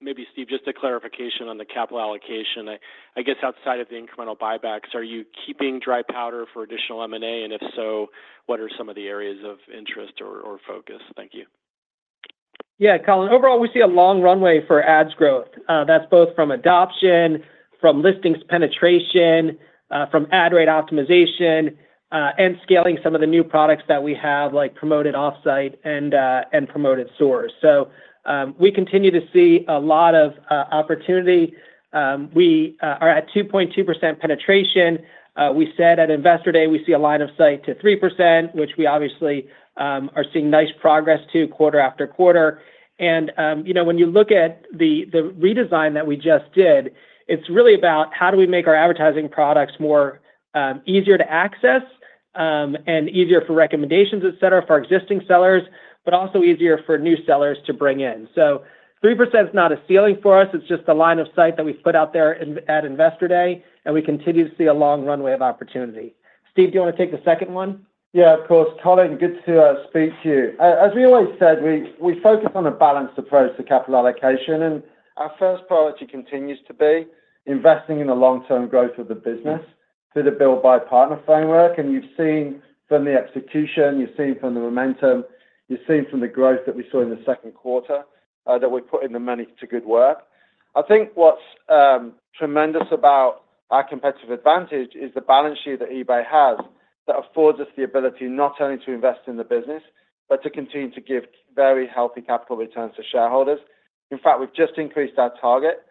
maybe, Steve, just a clarification on the capital allocation. I guess outside of the incremental buybacks, are you keeping dry powder for additional M&A? And if so, what are some of the areas of interest or focus? Thank you. Yeah, Colin, overall, we see a long runway for ads growth. That's both from adoption, from listings penetration, from ad rate optimization, and scaling some of the new products that we have, like Promoted Offsite and Promoted Stores. So, we continue to see a lot of opportunity. We are at 2.2% penetration. We said at Investor Day, we see a line of sight to 3%, which we obviously are seeing nice progress to quarter after quarter. And, you know, when you look at the redesign that we just did, it's really about how do we make our advertising products more easier to access, and easier for recommendations, et cetera, for our existing sellers, but also easier for new sellers to bring in. So 3% is not a ceiling for us, it's just a line of sight that we put out there at Investor Day, and we continue to see a long runway of opportunity. Steve, do you want to take the second one? Yeah, of course. Colin, good to speak to you. As we always said, we focus on a balanced approach to capital allocation, and our first priority continues to be investing in the long-term growth of the business through the buy, build, partner framework. You've seen from the execution, you've seen from the momentum, you've seen from the growth that we saw in the second quarter, that we're putting the money to good work. I think what's tremendous about our competitive advantage is the balance sheet that eBay has that affords us the ability not only to invest in the business, but to continue to give very healthy capital returns to shareholders. In fact, we've just increased our target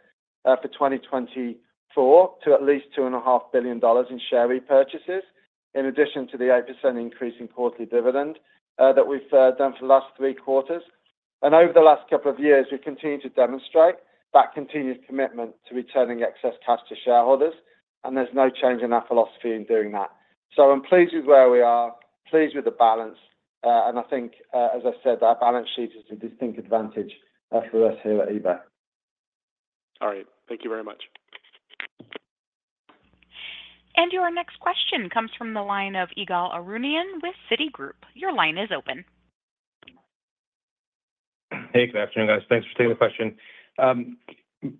for 2024 to at least $2.5 billion in share repurchases, in addition to the 8% increase in quarterly dividend that we've done for the last 3 quarters. Over the last couple of years, we've continued to demonstrate that continued commitment to returning excess cash to shareholders, and there's no change in our philosophy in doing that. I'm pleased with where we are, pleased with the balance, and I think, as I said, our balance sheet is a distinct advantage for us here at eBay. All right. Thank you very much. Your next question comes from the line of Ygal Arounian with Citigroup. Your line is open. Hey, good afternoon, guys. Thanks for taking the question.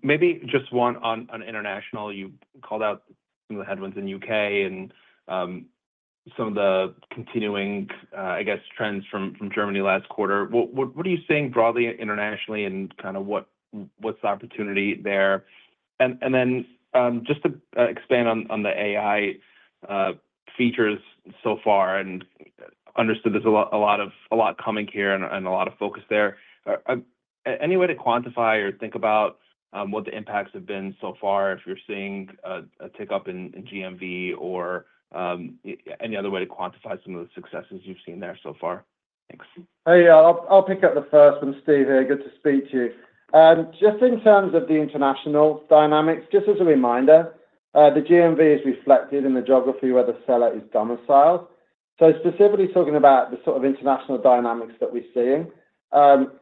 Maybe just one on international. You called out some of the headwinds in U.K. and some of the continuing, I guess, trends from Germany last quarter. What are you seeing broadly internationally and kind of what's the opportunity there? And then, just to expand on the AI features so far, and understood there's a lot—a lot coming here and a lot of focus there. Any way to quantify or think about what the impacts have been so far, if you're seeing a tick up in GMV or any other way to quantify some of the successes you've seen there so far? Thanks. Hey, yeah. I'll pick up the first one. Steve here, good to speak to you. Just in terms of the international dynamics, just as a reminder, the GMV is reflected in the geography where the seller is domiciled. So specifically talking about the sort of international dynamics that we're seeing,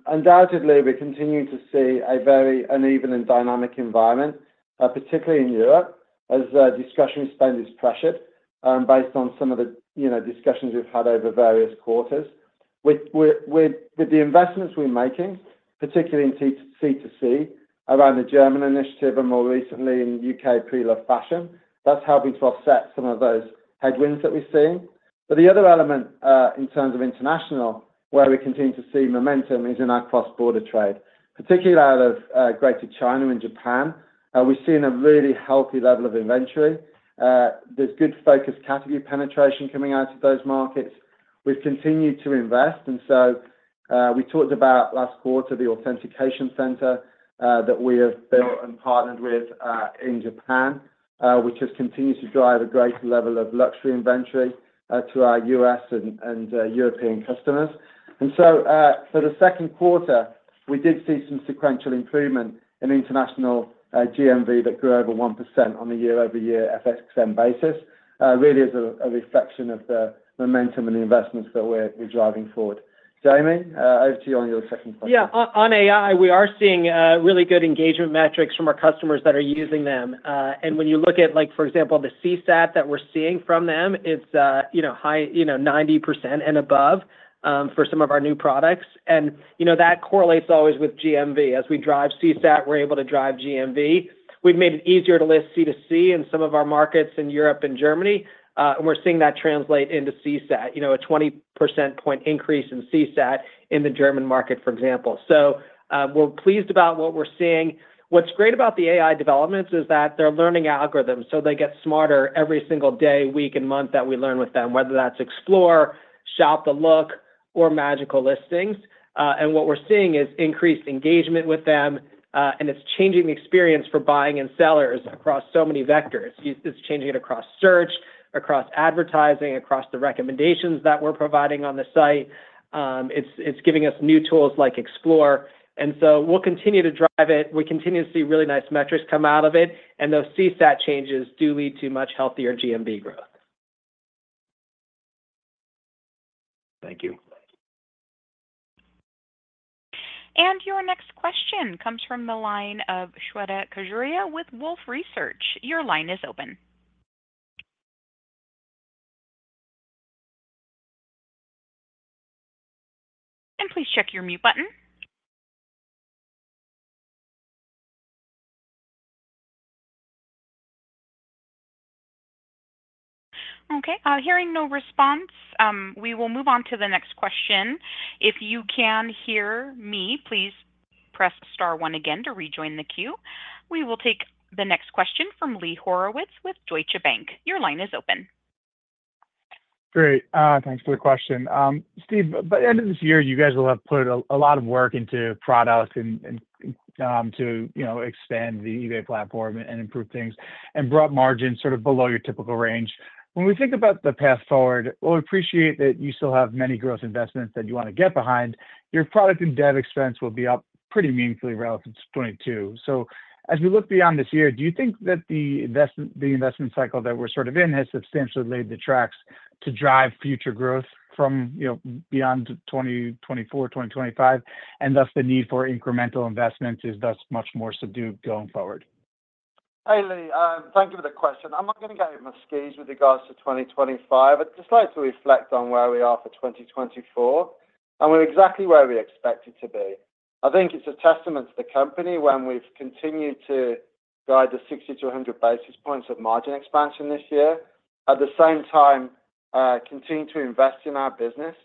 undoubtedly, we continue to see a very uneven and dynamic environment, particularly in Europe, as discretionary spend is pressured, based on some of the, you know, discussions we've had over various quarters. With the investments we're making, particularly in C2C, around the German initiative and more recently in U.K. pre-loved fashion, that's helping to offset some of those headwinds that we're seeing. But the other element, in terms of international, where we continue to see momentum, is in our cross-border trade, particularly out of Greater China and Japan. We've seen a really healthy level of inventory. There's good focused category penetration coming out of those markets. We've continued to invest, and so, we talked about last quarter, the authentication center, that we have built and partnered with, in Japan, which has continued to drive a great level of luxury inventory, to our U.S. and, and, European customers. And so, for the second quarter, we did see some sequential improvement in international, GMV that grew over 1% on a year-over-year FX-neutral basis. Really is a reflection of the momentum and the investments that we're, we're driving forward. Jamie, over to you on your second question. Yeah. On, on AI, we are seeing really good engagement metrics from our customers that are using them. And when you look at, like, for example, the CSAT that we're seeing from them, it's you know, high, you know, 90% and above for some of our new products. And, you know, that correlates always with GMV. As we drive CSAT, we're able to drive GMV. We've made it easier to list C2C in some of our markets in Europe and Germany, and we're seeing that translate into CSAT. You know, a 20 percentage point increase in CSAT in the German market, for example. So, we're pleased about what we're seeing. What's great about the AI developments is that they're learning algorithms, so they get smarter every single day, week, and month that we learn with them, whether that's Explore, Shop the Look, or Magical Listings. And what we're seeing is increased engagement with them, and it's changing the experience for buying and sellers across so many vectors. It's changing it across search, across advertising, across the recommendations that we're providing on the site. It's giving us new tools like Explore. And so we'll continue to drive it. We continue to see really nice metrics come out of it, and those CSAT changes do lead to much healthier GMV growth. Thank you. And your next question comes from the line of Shweta Khajuria with Wolfe Research. Your line is open. And please check your mute button. Okay, hearing no response, we will move on to the next question. If you can hear me, please press star one again to rejoin the queue. We will take the next question from Lee Horowitz with Deutsche Bank. Your line is open. Great. Thanks for the question. Steve, by the end of this year, you guys will have put a lot of work into products and to, you know, expand the eBay platform and improve things, and brought margins sort of below your typical range. When we think about the path forward, we appreciate that you still have many growth investments that you want to get behind. Your product and dev expense will be up pretty meaningfully relative to 2022. So as we look beyond this year, do you think that the investment cycle that we're sort of in, has substantially laid the tracks to drive future growth from, you know, beyond 2024, 2025, and thus the need for incremental investments is thus much more subdued going forward? Hey, Lee, thank you for the question. I'm not going to get in the weeds with regards to 2025. I'd just like to reflect on where we are for 2024, and we're exactly where we expected to be. I think it's a testament to the company when we've continued to guide the 60-100 basis points of margin expansion this year. At the same time, continue to invest in our business,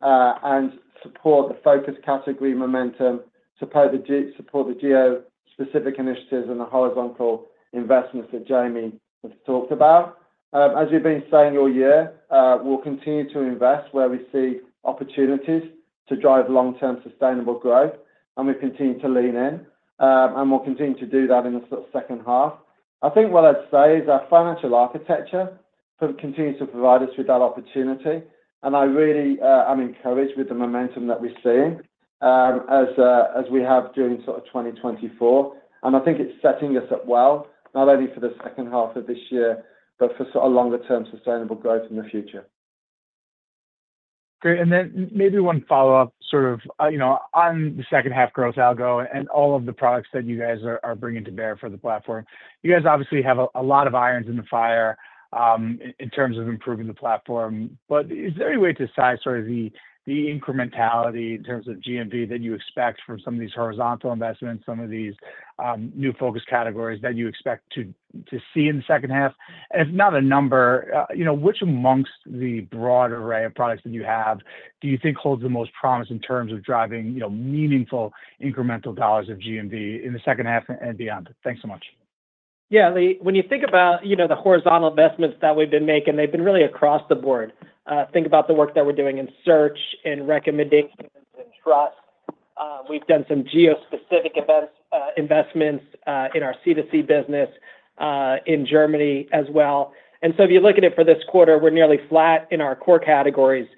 and support the focus category momentum, support the geo-specific initiatives and the horizontal investments that Jamie has talked about. As we've been saying all year, we'll continue to invest where we see opportunities to drive long-term sustainable growth, and we continue to lean in. And we'll continue to do that in the second half. I think what I'd say is our financial architecture has continued to provide us with that opportunity, and I really am encouraged with the momentum that we're seeing, as we have during sort of 2024. And I think it's setting us up well, not only for the second half of this year, but for sort of longer term sustainable growth in the future. Great. And then maybe one follow-up, sort of, you know, on the second half growth algo and all of the products that you guys are bringing to bear for the platform. You guys obviously have a lot of irons in the fire in terms of improving the platform, but is there any way to size sort of the incrementality in terms of GMV that you expect from some of these horizontal investments, some of these new focus categories that you expect to see in the second half? And if not a number, you know, which amongst the broad array of products that you have, do you think holds the most promise in terms of driving, you know, meaningful incremental dollars of GMV in the second half and beyond? Thanks so much. Yeah, Lee, when you think about, you know, the horizontal investments that we've been making, they've been really across the board. Think about the work that we're doing in search, in recommendations, in trust. We've done some geo-specific investments in our C2C business in Germany as well. And so if you look at it for this quarter, we're nearly flat in our core categories,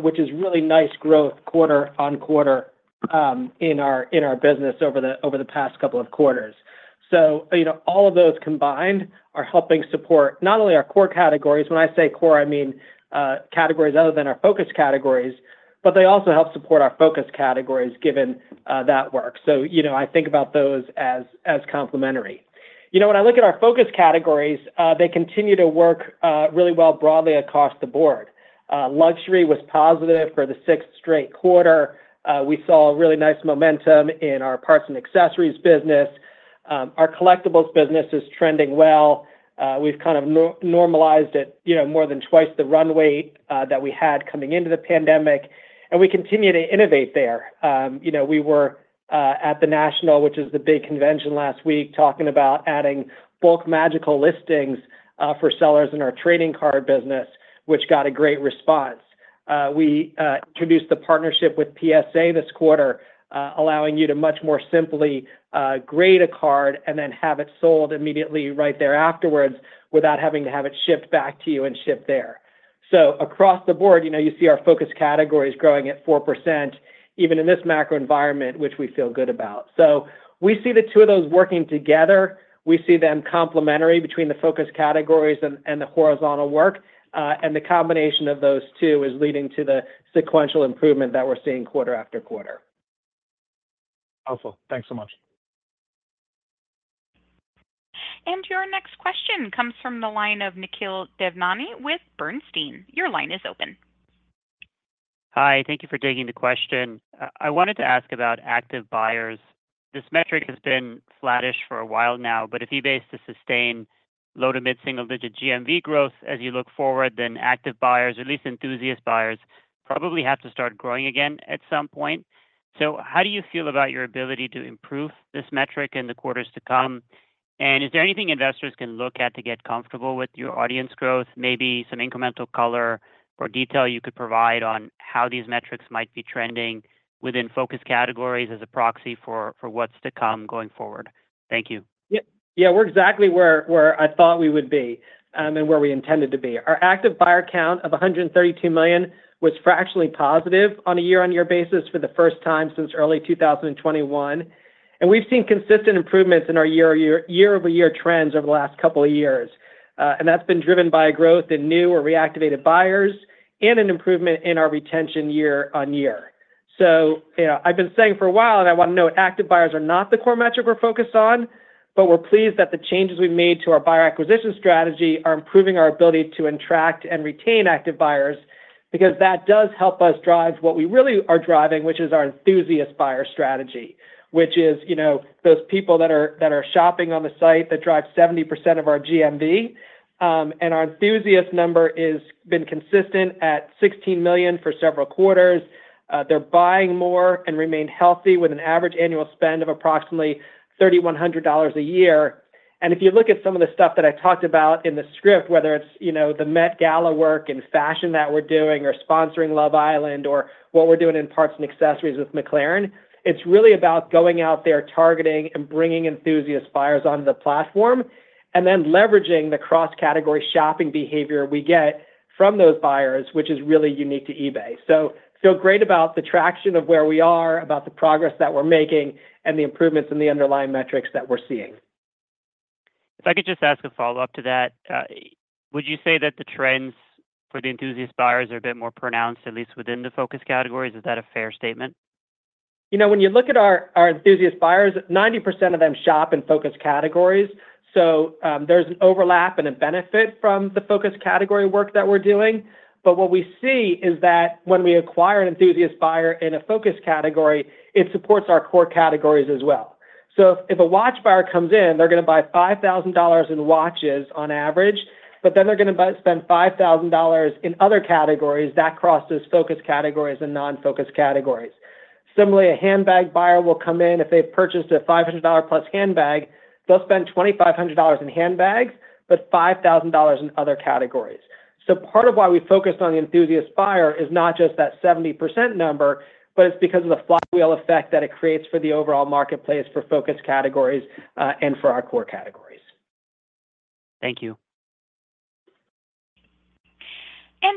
which is really nice growth quarter on quarter in our business over the past couple of quarters. So you know, all of those combined are helping support not only our core categories, when I say core, I mean categories other than our focus categories, but they also help support our focus categories, given that work. So, you know, I think about those as complementary. You know, when I look at our focus categories, they continue to work really well broadly across the board. Luxury was positive for the sixth straight quarter. We saw a really nice momentum in our parts and accessories business. Our collectibles business is trending well. We've kind of normalized it, you know, more than twice the runway that we had coming into the pandemic, and we continue to innovate there. You know, we were at the National, which is the big convention last week, talking about adding bulk magical listings for sellers in our trading card business, which got a great response. We introduced the partnership with PSA this quarter, allowing you to much more simply grade a card and then have it sold immediately right there afterwards, without having to have it shipped back to you and shipped there. So across the board, you know, you see our focus categories growing at 4%, even in this macro environment, which we feel good about. So we see the two of those working together. We see them complementary between the focus categories and the horizontal work, and the combination of those two is leading to the sequential improvement that we're seeing quarter after quarter. Awesome. Thanks so much. Your next question comes from the line of Nikhil Devnani with Bernstein. Your line is open. Hi, thank you for taking the question. I wanted to ask about active buyers. This metric has been flattish for a while now, but if eBay is to sustain low- to mid-single-digit GMV growth as you look forward, then active buyers, or at least enthusiast buyers, probably have to start growing again at some point. So how do you feel about your ability to improve this metric in the quarters to come? And is there anything investors can look at to get comfortable with your audience growth, maybe some incremental color or detail you could provide on how these metrics might be trending within focus categories as a proxy for what's to come going forward? Thank you. Yeah, yeah, we're exactly where, where I thought we would be, and where we intended to be. Our active buyer count of 132 million was fractionally positive on a year-over-year basis for the first time since early 2021, and we've seen consistent improvements in our year-over-year trends over the last couple of years. And that's been driven by growth in new or reactivated buyers and an improvement in our retention year-over-year. So you know, I've been saying for a while, and I want to note, active buyers are not the core metric we're focused on, but we're pleased that the changes we've made to our buyer acquisition strategy are improving our ability to attract and retain active buyers. Because that does help us drive what we really are driving, which is our enthusiast buyer strategy, which is, you know, those people that are, that are shopping on the site, that drive 70% of our GMV. And our enthusiast number is been consistent at 16 million for several quarters. They're buying more and remain healthy, with an average annual spend of approximately $3,100 a year. And if you look at some of the stuff that I talked about in the script, whether it's, you know, the Met Gala work and fashion that we're doing, or sponsoring Love Island, or what we're doing in parts and accessories with McLaren, it's really about going out there, targeting and bringing enthusiast buyers onto the platform, and then leveraging the cross-category shopping behavior we get from those buyers, which is really unique to eBay. So, feel great about the traction of where we are, about the progress that we're making, and the improvements in the underlying metrics that we're seeing. If I could just ask a follow-up to that. Would you say that the trends for the enthusiast buyers are a bit more pronounced, at least within the focus categories? Is that a fair statement? You know, when you look at our, our enthusiast buyers, 90% of them shop in focus categories, so there's an overlap and a benefit from the focus category work that we're doing. But what we see is that when we acquire an enthusiast buyer in a focus category, it supports our core categories as well. So if a watch buyer comes in, they're going to buy $5,000 in watches on average, but then they're going to spend $5,000 in other categories that crosses focus categories and non-focus categories. Similarly, a handbag buyer will come in. If they've purchased a $500+ handbag, they'll spend $2,500 in handbags, but $5,000 in other categories. Part of why we focus on the enthusiast buyer is not just that 70% number, but it's because of the flywheel effect that it creates for the overall marketplace, for focus categories, and for our core categories. Thank you.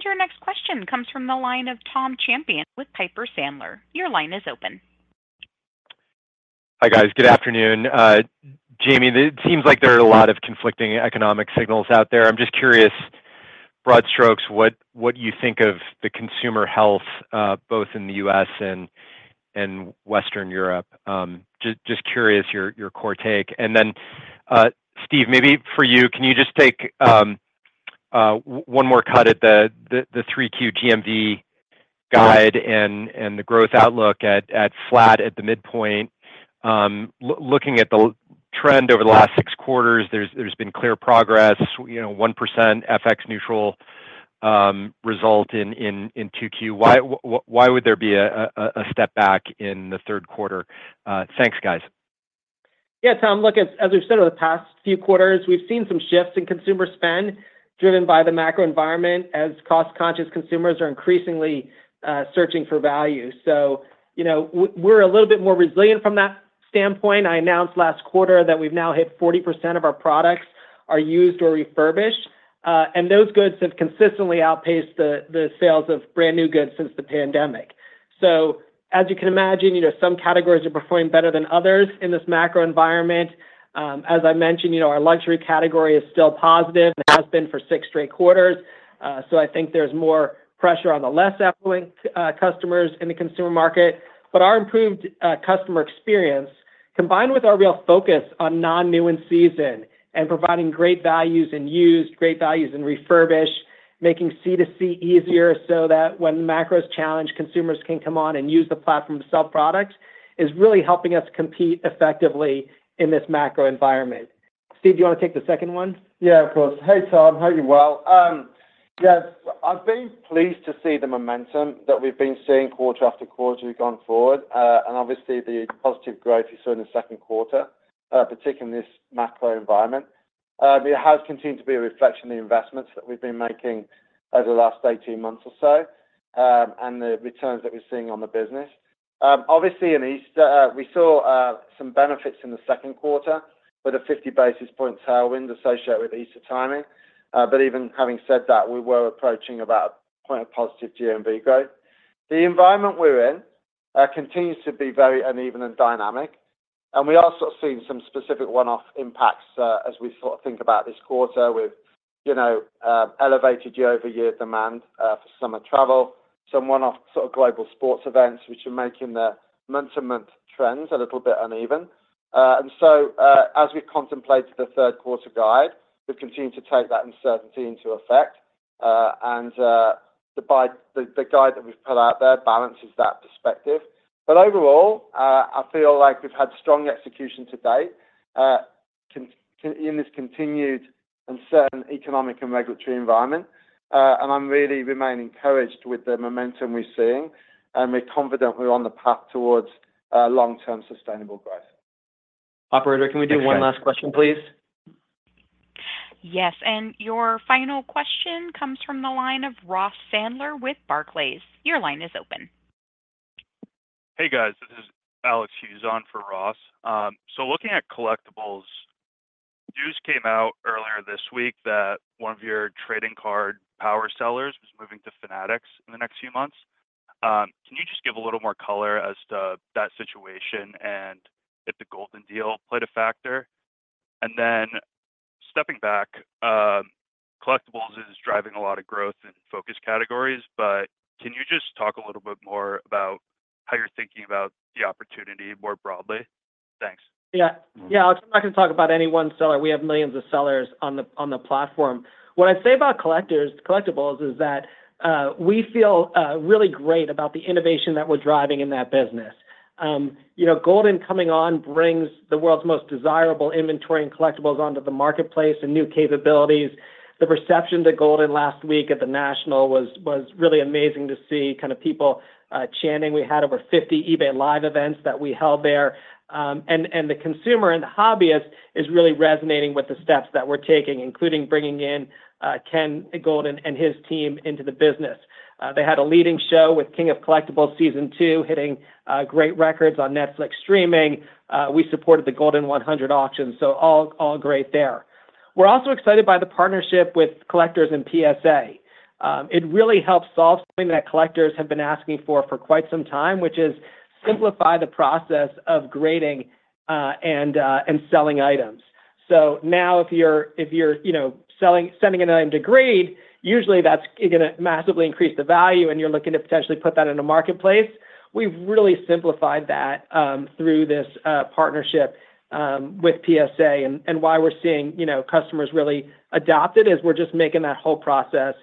Your next question comes from the line of Tom Champion with Piper Sandler. Your line is open. Hi, guys. Good afternoon. Jamie, it seems like there are a lot of conflicting economic signals out there. I'm just curious, broad strokes, what you think of the consumer health, both in the U.S. and Western Europe. Just curious, your core take. And then, Steve, maybe for you, can you just take one more cut at the Q3 GMV guide and the growth outlook at flat at the midpoint? Looking at the trend over the last six quarters, there's been clear progress. You know, 1% FX neutral result in 2Q. Why would there be a step back in the third quarter? Thanks, guys. Yeah, Tom, look, as we've said over the past few quarters, we've seen some shifts in consumer spend, driven by the macro environment, as cost-conscious consumers are increasingly searching for value. So, you know, we're a little bit more resilient from that standpoint. I announced last quarter that we've now hit 40% of our products are used or refurbished, and those goods have consistently outpaced the sales of brand-new goods since the pandemic. So as you can imagine, you know, some categories are performing better than others in this macro environment. As I mentioned, you know, our luxury category is still positive and has been for six straight quarters. So I think there's more pressure on the less affluent customers in the consumer market. But our improved, customer experience, combined with our real focus on non-new and season, and providing great values in used, great values in refurbished, making C2C easier, so that when the macro is challenged, consumers can come on and use the platform to sell products, is really helping us compete effectively in this macro environment. Steve, do you want to take the second one? Yeah, of course. Hey, Tom, hope you're well. Yes, I've been pleased to see the momentum that we've been seeing quarter after quarter as we've gone forward, and obviously, the positive growth you saw in the second quarter, particularly in this macro environment. It has continued to be a reflection of the investments that we've been making over the last 18 months or so, and the returns that we're seeing on the business. Obviously, in Easter, we saw some benefits in the second quarter with a 50 basis point tailwind associated with Easter timing. But even having said that, we were approaching about a point of positive GMV growth. The environment we're in continues to be very uneven and dynamic, and we are sort of seeing some specific one-off impacts, as we sort of think about this quarter with, you know, elevated year-over-year demand for summer travel, some one-off sort of global sports events, which are making the month-to-month trends a little bit uneven. And so, as we contemplated the third quarter guide, we've continued to take that uncertainty into effect. And the guide that we've put out there balances that perspective. But overall, I feel like we've had strong execution to date in this continued uncertain economic and regulatory environment. And I'm really remaining encouraged with the momentum we're seeing, and we're confident we're on the path towards long-term sustainable growth. Operator, can we do one last question, please? Yes, and your final question comes from the line of Ross Sandler with Barclays. Your line is open. Hey, guys, this is Alex Hughes on for Ross. So looking at collectibles, news came out earlier this week that one of your trading card power sellers was moving to Fanatics in the next few months. Can you just give a little more color as to that situation and if the Goldin deal played a factor? And then, stepping back, collectibles is driving a lot of growth in focus categories, but can you just talk a little bit more about how you're thinking about the opportunity more broadly? Thanks. Yeah. Yeah, I'm not gonna talk about any one seller. We have millions of sellers on the platform. What I'd say about collectibles is that, we feel really great about the innovation that we're driving in that business. You know, Goldin coming on brings the world's most desirable inventory and collectibles onto the marketplace and new capabilities. The reception to Goldin last week at the National was really amazing to see, kind of people chanting. We had over 50 eBay Live events that we held there. And the consumer and the hobbyist is really resonating with the steps that we're taking, including bringing in Ken Goldin and his team into the business. They had a leading show with King of Collectibles Season 2, hitting great records on Netflix streaming. We supported the Goldin 100 auction, so all, all great there. We're also excited by the partnership with Collectors and PSA. It really helps solve something that Collectors have been asking for for quite some time, which is simplify the process of grading and selling items. So now, if you're, if you're, you know, sending an item to grade, usually that's gonna massively increase the value, and you're looking to potentially put that in a marketplace. We've really simplified that through this partnership with PSA, and why we're seeing, you know, customers really adopt it, is we're just making that whole process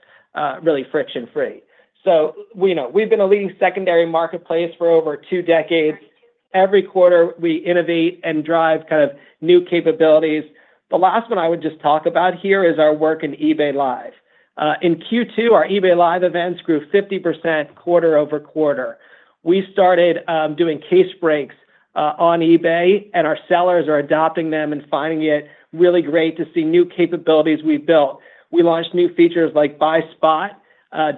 really friction-free. So, we know, we've been a leading secondary marketplace for over two decades. Every quarter, we innovate and drive kind of new capabilities. The last one I would just talk about here is our work in eBay Live. In Q2, our eBay Live events grew 50% quarter-over-quarter. We started doing case breaks on eBay, and our sellers are adopting them and finding it really great to see new capabilities we've built. We launched new features like Buy Spot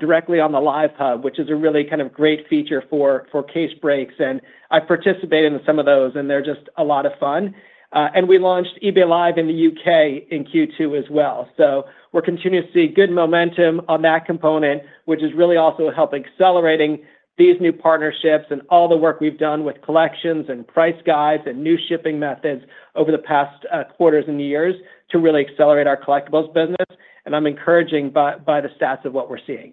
directly on the Live Hub, which is a really kind of great feature for case breaks, and I've participated in some of those, and they're just a lot of fun. And we launched eBay Live in the U.K. in Q2 as well. So we're continuing to see good momentum on that component, which is really also helping accelerating these new partnerships and all the work we've done with collections and price guides and new shipping methods over the past quarters and years, to really accelerate our collectibles business. And I'm encouraged by the stats of what we're seeing.